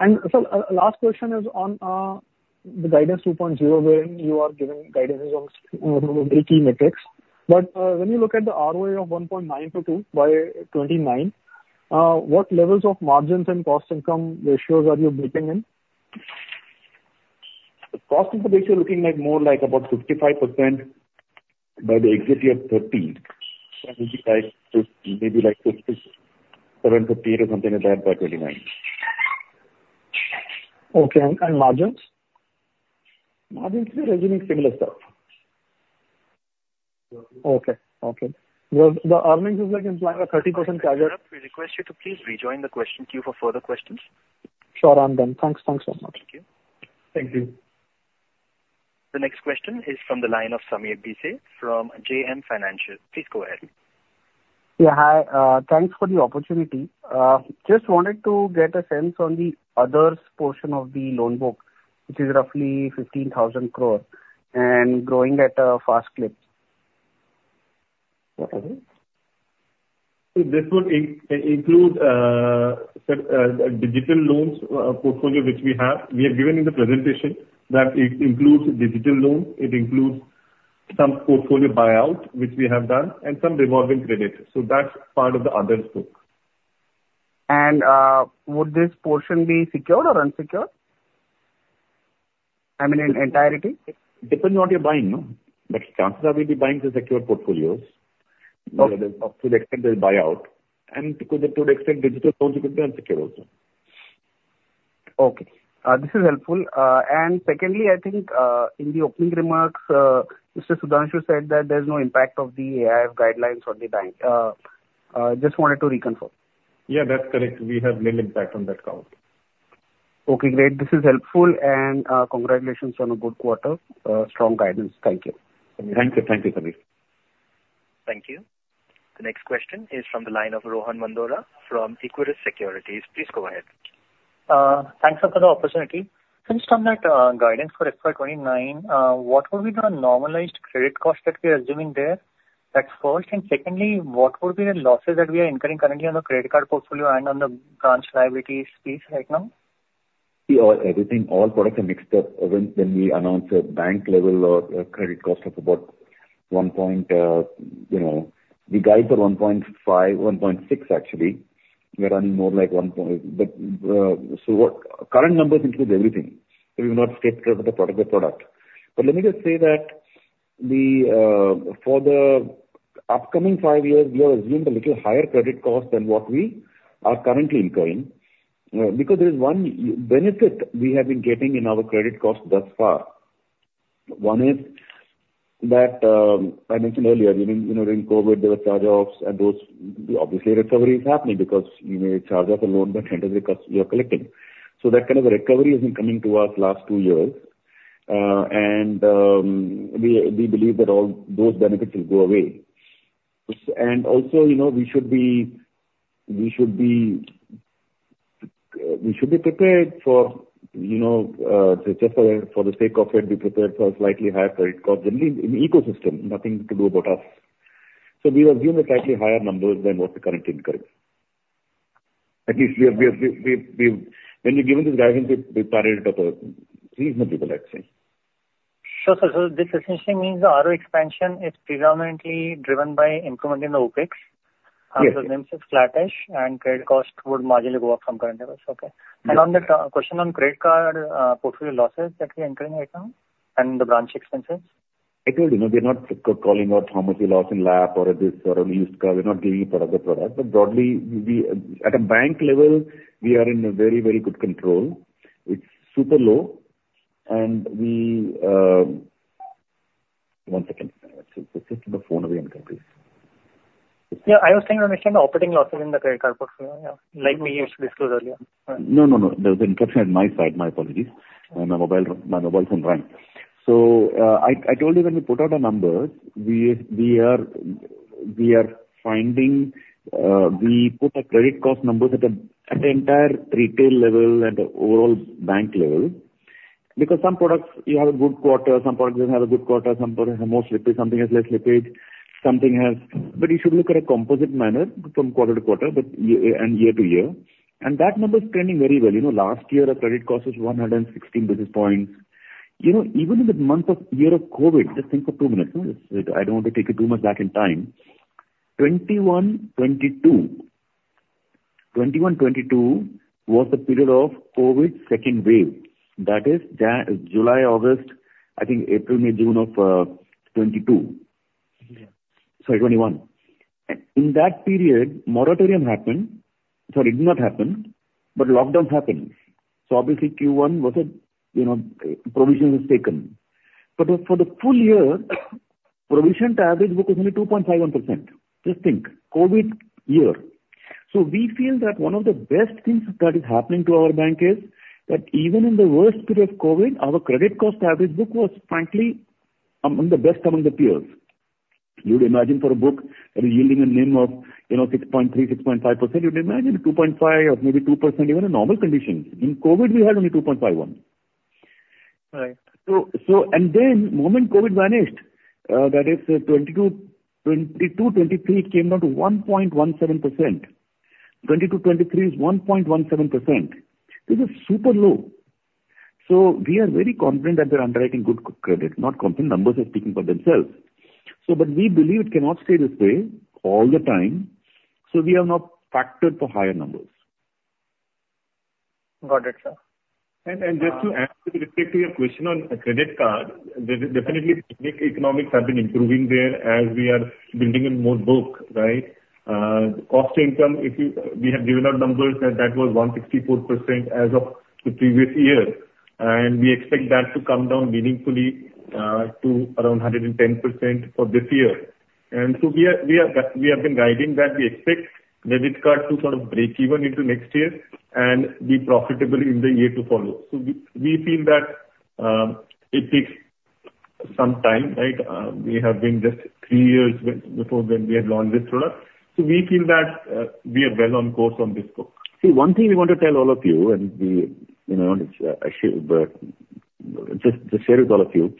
And so, last question is on the Guidance 2.0, where you are giving guidances on very key metrics. But, when you look at the ROA of 1.9%-2% by 2029, what levels of margins and cost income ratios are you building in? The cost income ratio, we're looking more like about 55% by the exit year of 2030. That will be like, maybe 67% to 58% or something like that by 2029. Okay, and margins? Margins, we are assuming similar stuff. Okay. Okay. Well, the earnings is like implying a 30% target. We request you to please rejoin the question queue for further questions. Sure, I'm done. Thanks. Thanks so much. Thank you. Thank you. The next question is from the line of Sameer Bhise from JM Financial. Please go ahead. Yeah, hi, thanks for the opportunity. Just wanted to get a sense on the others' portion of the loan book, which is roughly 15,000 crore and growing at a fast clip. What are they? So this would include digital loans, portfolio which we have. We have given in the presentation that it includes digital loans, it includes some portfolio buyouts which we have done, and some revolving credit. So that's part of the others book. Would this portion be secured or unsecured? I mean, in entirety. Depending on what you're buying, no? But chances are we'll be buying the secured portfolios, up to the extent they'll buy out, and to the extent digital loans could be unsecured also. Okay, this is helpful. And secondly, I think, in the opening remarks, Mr. Sudhanshu said that there's no impact of the AIF guidelines on the bank. Just wanted to reconfirm. Yeah, that's correct. We have little impact on that count. Okay, great. This is helpful and, congratulations on a good quarter, strong guidance. Thank you. Thank you. Thank you, Sameer. Thank you. The next question is from the line of Rohan Mandora from Equirus Securities. Please go ahead. Thanks, sir, for the opportunity. Just on that, guidance for FY 2029, what will be the normalized credit cost that we're assuming there? That's first, and secondly, what will be the losses that we are incurring currently on the credit card portfolio and on the branch liabilities piece right now? Yeah, everything, all products are mixed up. When we announce a bank level or a credit cost of about 1%, you know, we guide for 1.5%-1.6%, actually, we are running more like 1%. But so current numbers include everything. We've not skipped over the product or product. But let me just say that the for the upcoming five years, we have assumed a little higher credit cost than what we are currently incurring, because there is one benefit we have been getting in our credit cost thus far. One is that, I mentioned earlier, you know, during COVID, there were charge-offs, and those, obviously, recovery is happening because you may charge off a loan, but it doesn't cost, you are collecting. So that kind of a recovery has been coming to us last two years, and we believe that all those benefits will go away. And also, you know, we should be prepared for, you know, just for the sake of it, a slightly higher credit cost, mainly in the ecosystem, nothing to do about us. So we have given the slightly higher numbers than what we currently incur. At least when we've given this guidance, we reasonable, let's say. Sure, sir. So this essentially means the ROA expansion is predominantly driven by improvement in the OpEx? Yes. The NIMs is flattish, and credit cost would marginally go up from current levels. Okay. On the question on credit card portfolio losses that we're incurring right now and the branch expenses? I told you, you know, we are not calling out how much we lose in LAP or this or on used car. We're not giving product to product, but broadly, we, at a bank level, we are in a very, very good control. It's super low, and we. One second. Let's put the phone away and complete. Yeah, I was saying on the operating losses in the credit card portfolio, yeah. Like we used to disclose earlier. No, no, no. There was interruption on my side. My apologies. My mobile phone rang. So, I told you when we put out the numbers, we, we are, we are finding, we put our credit cost numbers at the, at the entire retail level and overall bank level, because some products, you have a good quarter, some products don't have a good quarter, some products have more slippage, something has less slippage, something has. But you should look at a composite manner from quarter-to-quarter, but year, and year to year, and that number is trending very well. You know, last year, our credit cost was 116 basis points. You know, even in the year of COVID, just think for two minutes, I don't want to take you too much back in time. 2021, 2022. 2021, 2022 was the period of COVID second wave, that is, July, August, I think April, May, June of 2022. Sorry, 2021. In that period, moratorium happened. Sorry, it did not happen, but lockdown happened. So obviously, Q1 was a, you know, provision was taken. But for the full year, provision to average book was only 2.51%. Just think, COVID year. So we feel that one of the best things that is happening to our bank is, that even in the worst period of COVID, our credit cost to average book was frankly among the best among the peers. You'd imagine for a book that is yielding a NIM of, you know, 6.3%-6.5%, you'd imagine 2.5% or maybe 2% even in normal conditions. In COVID, we had only 2.51. Right. And then the moment COVID vanished, that is, 2022, 2023, it came down to 1.17%. 2022, 2023 is 1.17%. This is super low. So we are very confident that we're underwriting good credit. Not confident, numbers are speaking for themselves. So but we believe it cannot stay this way all the time, so we have now factored for higher numbers. Got it, sir. Just to add to, specific to your question on credit card, definitely, economics have been improving there as we are building in more book, right? Cost to income, we have given our numbers, that was 164% as of the previous year, and we expect that to come down meaningfully to around 110% for this year. And so we have been guiding that we expect credit card to sort of break even into next year and be profitable in the year to follow. So we feel that it is some time, right? We have been just three years before when we had launched this product, so we feel that we are well on course on this book. See, one thing we want to tell all of you, and we, you know, it's actually, but just share with all of you,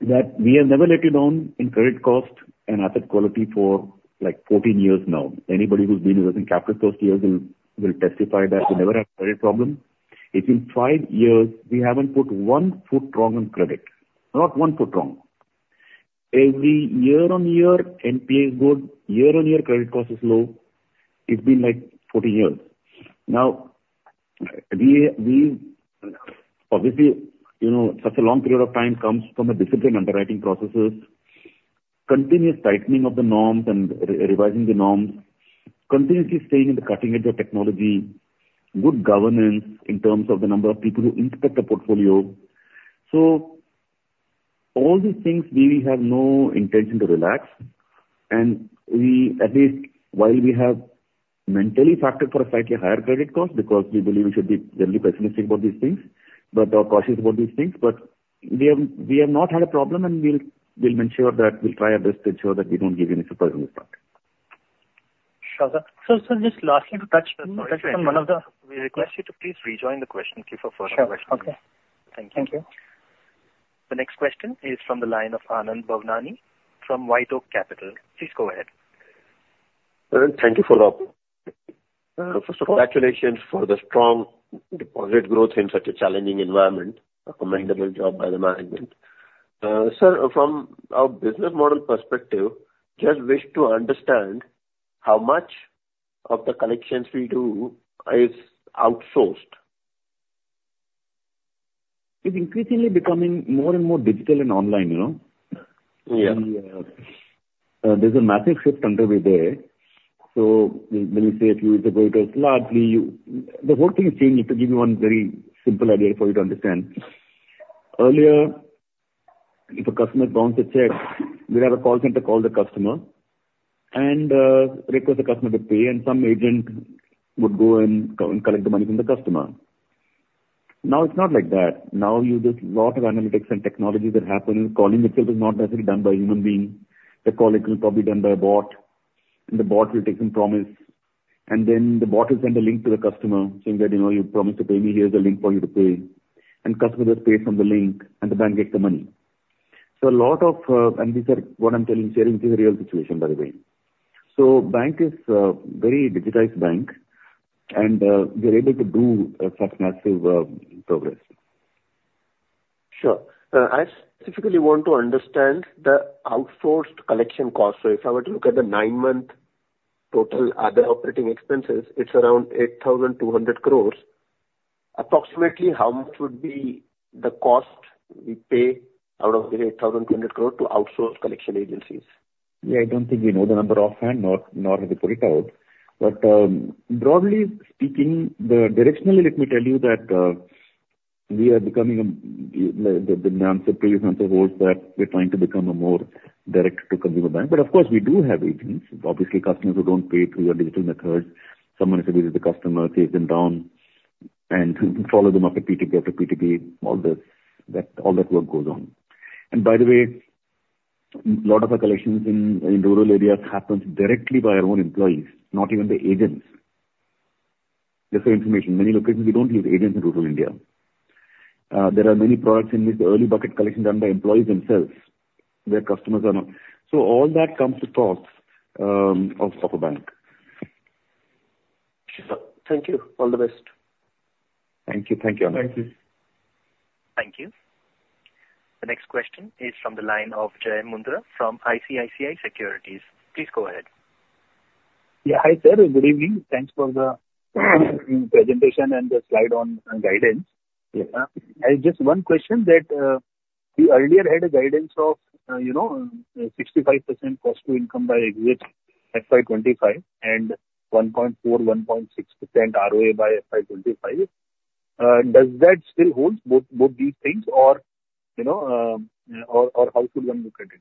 that we have never let you down in credit cost and asset quality for, like, 14 years now. Anybody who's been with us in Capital First years will testify that we never had a credit problem. It's been 5 years, we haven't put one foot wrong on credit, not one foot wrong. Every year-on-year, NPA is good, year-on-year credit cost is low, it's been, like, 14 years. Now, we obviously, you know, such a long period of time comes from a disciplined underwriting processes, continuous tightening of the norms and revising the norms, continuously staying in the cutting edge of technology, good governance in terms of the number of people who inspect the portfolio. So all these things, we have no intention to relax, and we, at least while we have mentally factored for a slightly higher credit cost, because we believe we should be generally pessimistic about these things, but, cautious about these things. But we have, we have not had a problem, and we'll, we'll ensure that we'll try our best to ensure that we don't give you any surprise on this part. Sure, sir. So, sir, just lastly, to touch on one of the. We request you to please rejoin the question queue for further questions. Sure. Okay. Thank you. Thank you. The next question is from the line of Anand Bhavnani from White Oak Capital. Please go ahead. Thank you for follow-up. First of all, congratulations for the strong deposit growth in such a challenging environment. A commendable job by the management. Sir, from a business model perspective, just wish to understand how much of the collections we do is outsourced? It's increasingly becoming more and more digital and online, you know? There's a massive shift underway there. So when you say if you, largely you. The whole thing is changing. To give you one very simple idea for you to understand, earlier, if a customer bounced a cheque, we had a call center call the customer and request the customer to pay, and some agent would go and collect the money from the customer. Now, it's not like that. Now, you do lot of analytics and technology that happen. Calling itself is not necessarily done by human being. The calling is probably done by a bot, and the bot will take some promise, and then the bot will send a link to the customer saying that, "You know, you promised to pay me, here's a link for you to pay." And customer just pays from the link, and the bank gets the money. So a lot of, and these are what I'm telling, sharing, is the real situation, by the way. So the bank is a very digitized bank, and we are able to do such massive progress. Sure. I specifically want to understand the outsourced collection cost. So if I were to look at the nine-month total other operating expenses, it's around 8,200 crore. Approximately, how much would be the cost we pay out of the 8,200 crore to outsource collection agencies? Yeah, I don't think we know the number offhand, nor have we put it out. But broadly speaking, directionally, let me tell you that my previous answer was that we're trying to become a more direct-to-consumer bank. But of course, we do have agencies. Obviously, customers who don't pay through our digital methods, someone has to visit the customer, chase them down and follow them up at PTP after PTP, all that work goes on. And by the way, a lot of our collections in rural areas happens directly by our own employees, not even the agents. Just for your information, many locations we don't use agents in rural India. There are many products in which the early bucket collection done by employees themselves, where customers are not. So all that comes to cost of a bank. Thank you. All the best. Thank you. Thank you, Anand. Thank you. Thank you. The next question is from the line of Jai Mundra from ICICI Securities. Please go ahead. Yeah. Hi, sir, good evening. Thanks for the presentation and the slide on guidance. I just one question that you earlier had a guidance of, you know, 65% cost to income by FY 2025 and 1.4%-1.6% ROA by FY 2025. Does that still hold both these things or, you know, or how should one look at it?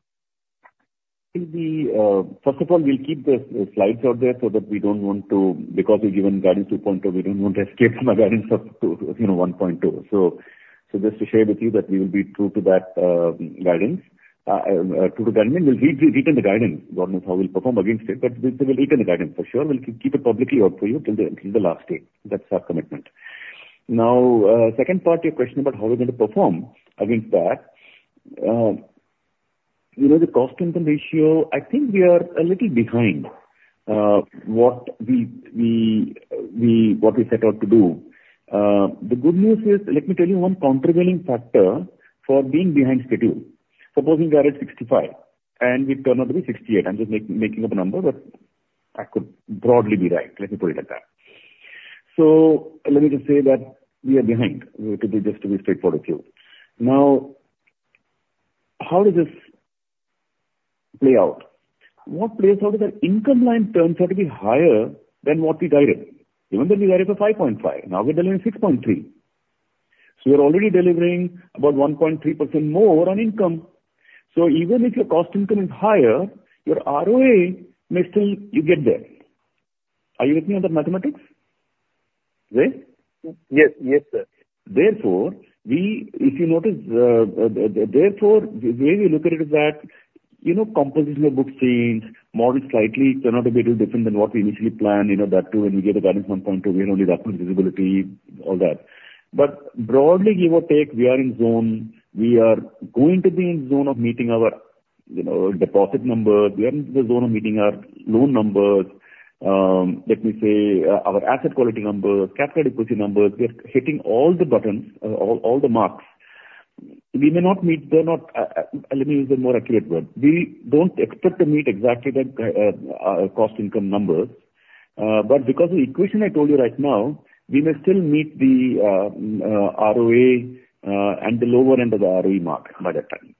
It'll be. First of all, we'll keep the slides out there so that we don't want to, because we've given Guidance 2.0, we don't want to escape from the Guidance 1.0. So just to share with you that we will be true to that guidance. True to guidance, we'll retain the guidance. God knows how we'll perform against it, but we will retain the guidance, for sure. We'll keep it publicly out for you till the last day. That's our commitment. Now, second part of your question about how we're going to perform against that, you know, the cost income ratio, I think we are a little behind what we set out to do. The good news is, let me tell you one countervailing factor for being behind schedule. Supposing we are at 65 and we turn out to be 68, I'm just making up a number, but I could broadly be right, let me put it like that. So let me just say that we are behind, to be, just to be straightforward with you. Now, how does this play out? What plays out is that income line turns out to be higher than what we guided, even though we guided for 5.5, now we're delivering 6.3. So we are already delivering about 1.3% more on income. So even if your cost income is higher, your ROA may still. You get there. Are you with me on the mathematics? Yes. Yes, sir. Therefore, we, if you notice, therefore, the way we look at it is that, you know, composition of book changed, model slightly turned out a bit different than what we initially planned, you know, that too, when you get a balance 1.2, we only have visibility, all that. But broadly, give or take, we are in zone. We are going to be in zone of meeting our, you know, deposit numbers. We are in the zone of meeting our loan numbers. Let me say, our asset quality numbers, capital adequacy numbers. We are hitting all the buttons, all the marks. We may not meet, they're not, let me use a more accurate word. We don't expect to meet exactly the cost income numbers, but because the equation I told you right now, we may still meet the ROA at the lower end of the ROA mark by that time.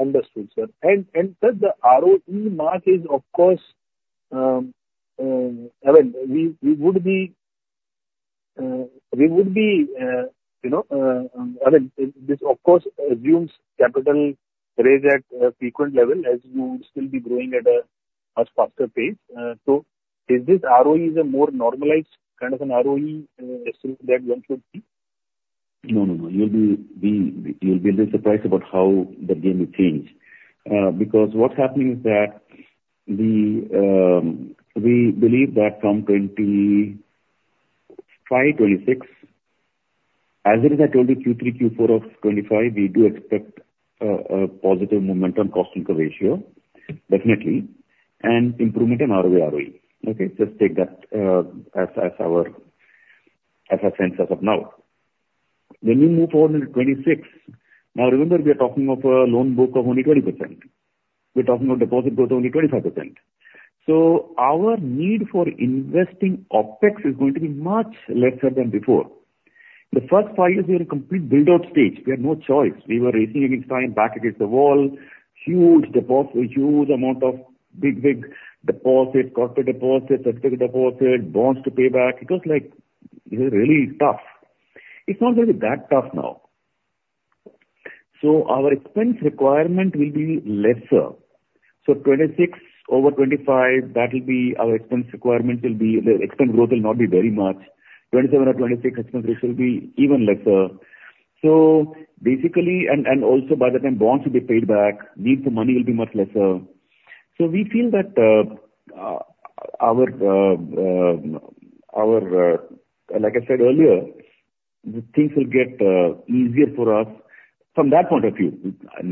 Understood, sir. And does the ROA mark is of course, I mean, we would be, we would be, you know, I mean, this of course assumes capital raised at a frequent level, as you will still be growing at a much faster pace. So is this ROA is a more normalized kind of an ROA, assume that one should see? No, no, no. You'll be a little surprised about how the game will change. Because what's happening is that we believe that from 2025, 2026, as it is, I told you Q3, Q4 of 2025, we do expect a positive momentum cost-income ratio, definitely, and improvement in ROA, ROA. Okay? Just take that as our sense as of now. When we move forward into 2026, now remember, we are talking of a loan book of only 20%. We're talking about deposit growth of only 25%. So our need for investing OpEx is going to be much lesser than before. The first five years, we are in a complete build-out stage. We had no choice. We were racing against time, back against the wall, huge deposit, a huge amount of big, big deposits, corporate deposits, specific deposits, bonds to pay back. It was like, it was really tough. It's not really that tough now. So our expense requirement will be lesser. So 2026 over 2025, that will be our expense requirement will be, the expense growth will not be very much. 2027 or 2026, expense growth will be even lesser. So basically, and also by the time bonds will be paid back, need for money will be much lesser. So we feel that, like I said earlier, things will get easier for us from that point of view.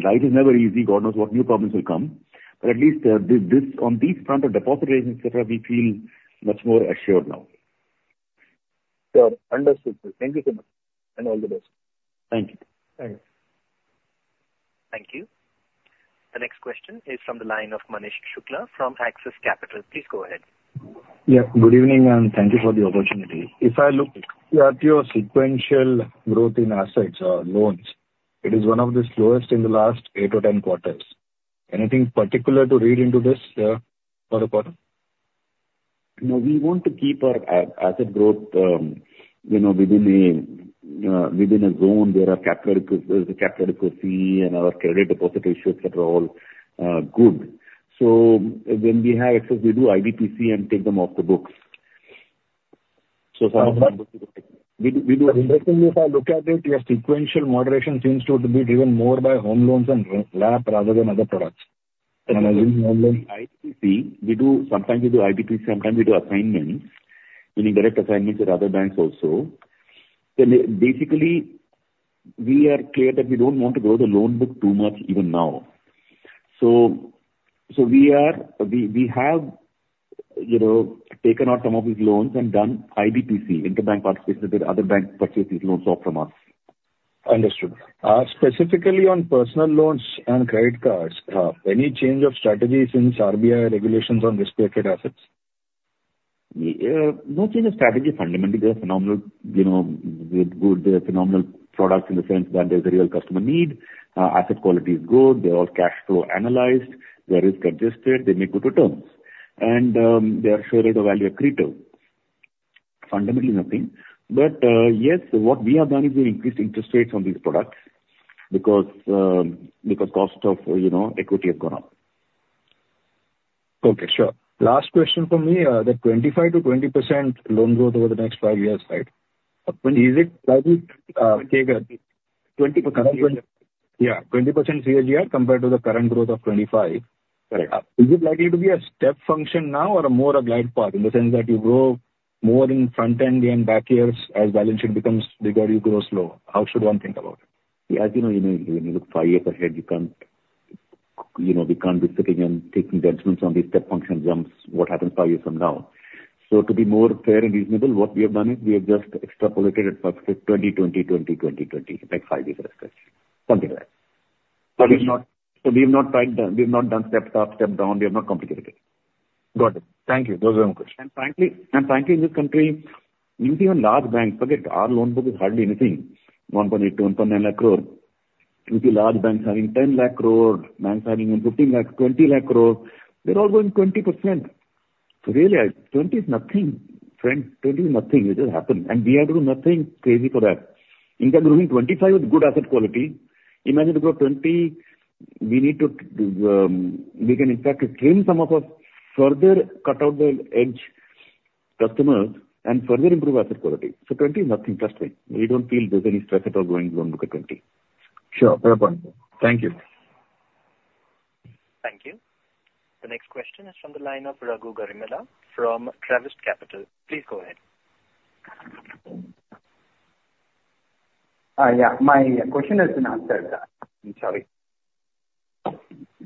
Life is never easy, God knows what new problems will come, but at least, this, this, on this front of deposit raising, et cetera, we feel much more assured now. Sure. Understood, sir. Thank you so much, and all the best. Thank you. Thanks. Thank you. The next question is from the line of Manish Shukla from Axis Capital. Please go ahead. Yeah, good evening, and thank you for the opportunity. If I look at your sequential growth in assets or loans, it is one of the slowest in the last eight to 10 quarters. Anything particular to read into this, for the quarter? No, we want to keep our asset growth, you know, within a zone where our capital, the capital adequacy and our credit deposit issues that are all good. So when we have excess, we do IBPC and take them off the books. So some of them. If I look at it, your sequential moderation seems to be driven more by home loans and LAP rather than other products. IBPC, we do, sometimes we do IBPC, sometimes we do assignments, meaning direct assignments with other banks also. Then basically, we are clear that we don't want to grow the loan book too much even now. So, so we are, we, we have, you know, taken out some of these loans and done IBPC, Inter-Bank Participation, with other banks purchase these loans off from us. Understood. Specifically on personal loans and credit cards, any change of strategy since RBI regulations on risk-weighted assets? No change in strategy. Fundamentally, they are phenomenal, you know, they're good, they are phenomenal products in the sense that there's a real customer need. Asset quality is good. They're all cash flow analyzed. There is congestion, they may go to terms. And they are sure at a value accretive. Fundamentally nothing. But yes, what we have done is we increased interest rates on these products because cost of, you know, equity has gone up. Okay, sure. Last question for me, the 25%-20% loan growth over the next five years, right? Is it likely, taken- 20%. Yeah, 20% CAGR compared to the current growth of 25. Correct. Is it likely to be a step function now or more a glide path, in the sense that you grow more in front end and back years, as balance sheet becomes bigger, you grow slower? How should one think about it? As you know, you know, when you look five years ahead, you can't, you know, we can't be sitting and taking judgments on these step function jumps, what happens five years from now. So to be more fair and reasonable, what we have done is we have just extrapolated at 20/20/20/20, like five years, something like that. So we've not, we've not tried, we've not done step up, step down. We have not complicated it. Got it. Thank you. Those are my questions. And frankly, frankly, in this country, even large banks, forget, our loan book is hardly anything, 180,000 to 190,000 crore. Even large banks having 1,000,000 crore, banks having 1,500,000 crore, 2,000,000 crore, they're all going 20%. So really, 20% is nothing. Frankly, 20% is nothing. It just happens. And we have to do nothing crazy for that. In fact, we're doing 25% with good asset quality. Imagine if you have 20, we need to, we can in fact trim some of our further cut out the edge customers and further improve asset quality. So 20% is nothing, trust me. We don't feel there's any stress at all going below book of 20. Sure, fair point. Thank you. Thank you. The next question is from the line of Raghu Garimella from Travis Capital. Please go ahead. Yeah, my question has been answered. I'm sorry.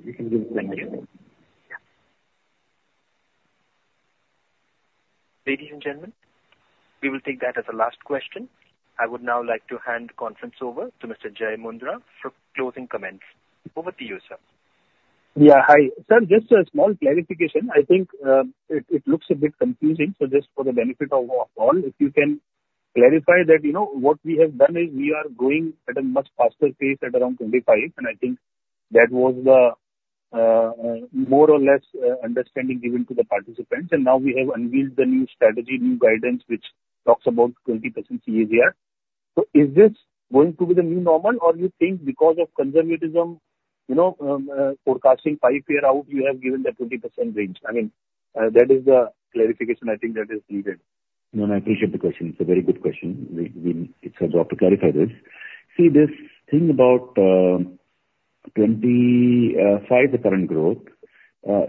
You can give the next one. Ladies and gentlemen, we will take that as a last question. I would now like to hand the conference over to Mr. Jai Mundra for closing comments. Over to you, sir. Yeah, hi. Sir, just a small clarification. I think, it looks a bit confusing, so just for the benefit of all, if you can clarify that, you know, what we have done is we are growing at a much faster pace at around 25, and I think that was the more or less understanding given to the participants. And now we have unveiled the new strategy, new guidance, which talks about 20% CAGR. So is this going to be the new normal, or you think because of conservatism, you know, forecasting five-year out, you have given the 20% range? I mean, that is the clarification I think that is needed. No, I appreciate the question. It's a very good question. We, It's our job to clarify this. See, this thing about 25, the current growth,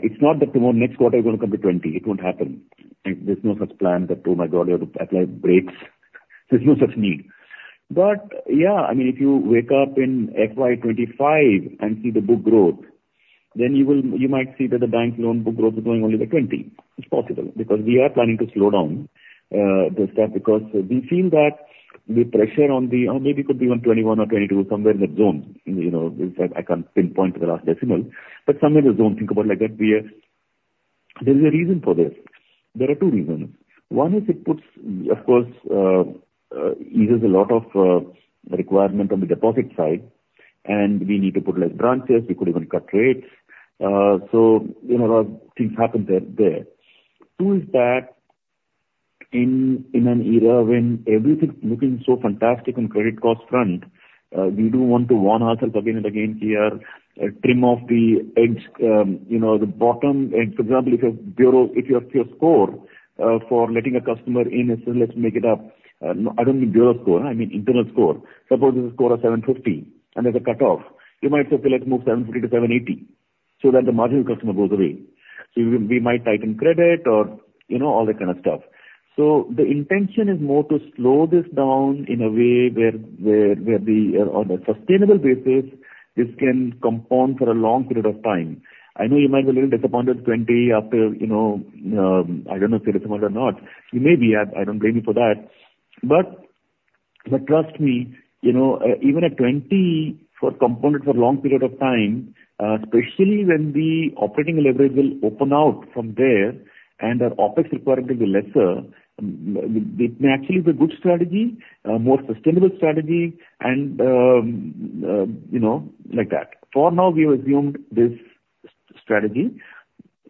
it's not that next quarter is gonna come to 20. It won't happen. There's no such plan that, "Oh, my God, we have to apply brakes." There's no such need. But, yeah, I mean, if you wake up in FY 2025 and see the book growth, then you will- you might see that the bank loan book growth is growing only by 20. It's possible, because we are planning to slow down the stuff, because we feel that the pressure on the. Or maybe could be on 21 or 22, somewhere in that zone. You know, I can't pinpoint to the last decimal, but somewhere in the zone. Think about it like that, we are. There's a reason for this. There are two reasons. One is it puts, of course, eases a lot of the requirement on the deposit side, and we need to put less branches, we could even cut rates. So you know, things happen there, there. Two is that, in an era when everything's looking so fantastic on credit cost front, we do want to warn ourselves again and again here, trim off the edge, you know, the bottom. And for example, if your bureau, if your score for letting a customer in, let's make it up, I don't mean bureau score, I mean internal score. Suppose it's a score of 750 and there's a cutoff, you might say, "Okay, let's move 750 to 780," so that the marginal customer goes away. So we might tighten credit or, you know, all that kind of stuff. So the intention is more to slow this down in a way where on a sustainable basis, this can compound for a long period of time. I know you might be a little disappointed, 20 after, you know, I don't know if you're disappointed or not. You may be, I don't blame you for that. But trust me, you know, even at 20 for compounded for a long period of time, especially when the operating leverage will open out from there and our OpEx requirement will be lesser, it may actually be a good strategy, more sustainable strategy, and, you know, like that. For now, we have assumed this strategy.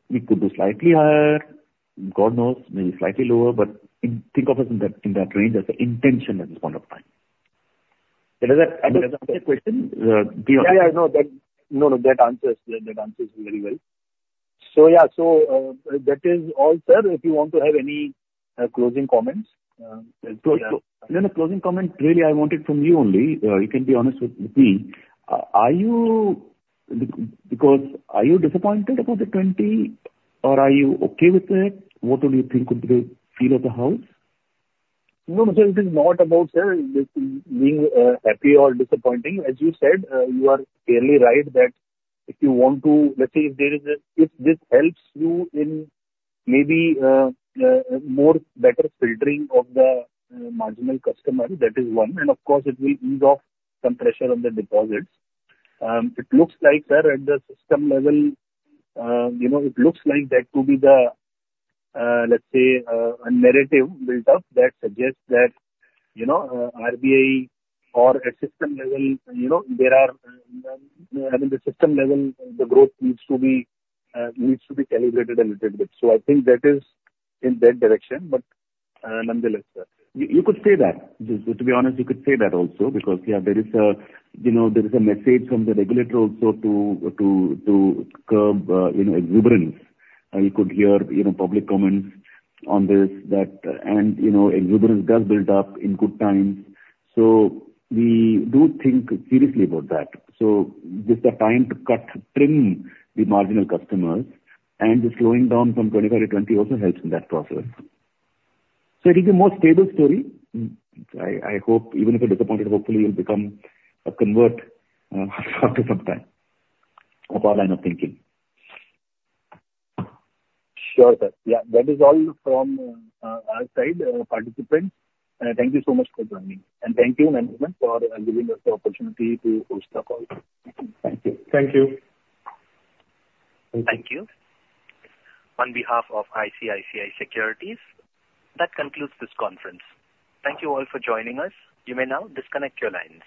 We could be slightly higher, God knows, maybe slightly lower, but in, think of us in that, in that range, that's the intention at this point of time. Does that answer your question, beyond? Yeah, yeah. No, that. No, no, that answers, that answers very well. So, yeah, so, that is all, sir. If you want to have any closing comments, yeah. No, the closing comment really I wanted from you only, you can be honest with, with me. Are you, because, are you disappointed about the 20, or are you okay with it? What would you think would be the feel of the house? No, no, sir, it is not about just being happy or disappointing. As you said, you are clearly right that if you want to. Let's say, if this helps you in maybe more better filtering of the marginal customer, that is one, and of course it will ease off some pressure on the deposits. It looks like that at the system level, you know, it looks like that could be the, let's say, a narrative built up that suggests that, you know, RBI or at system level, you know, there are, I mean, the system level, the growth needs to be, needs to be calibrated a little bit. So I think that is in that direction, but, nonetheless, You could say that. To be honest, you could say that also, because there is a, you know, message from the regulator also to curb, you know, exuberance. And you could hear, you know, public comments on this, that, and, you know, exuberance does build up in good times, so we do think seriously about that. So these are time to cut, trim the marginal customers, and the slowing down from 25 to 20 also helps in that process. So it is a more stable story. I hope even if you're disappointed, hopefully you'll become a convert, after some time of our line of thinking. Sure, sir. Yeah, that is all from our side, participants. Thank you so much for joining. And thank you, management, for giving us the opportunity to host the call. Thank you. Thank you. On behalf of ICICI Securities, that concludes this conference. Thank you all for joining us. You may now disconnect your lines.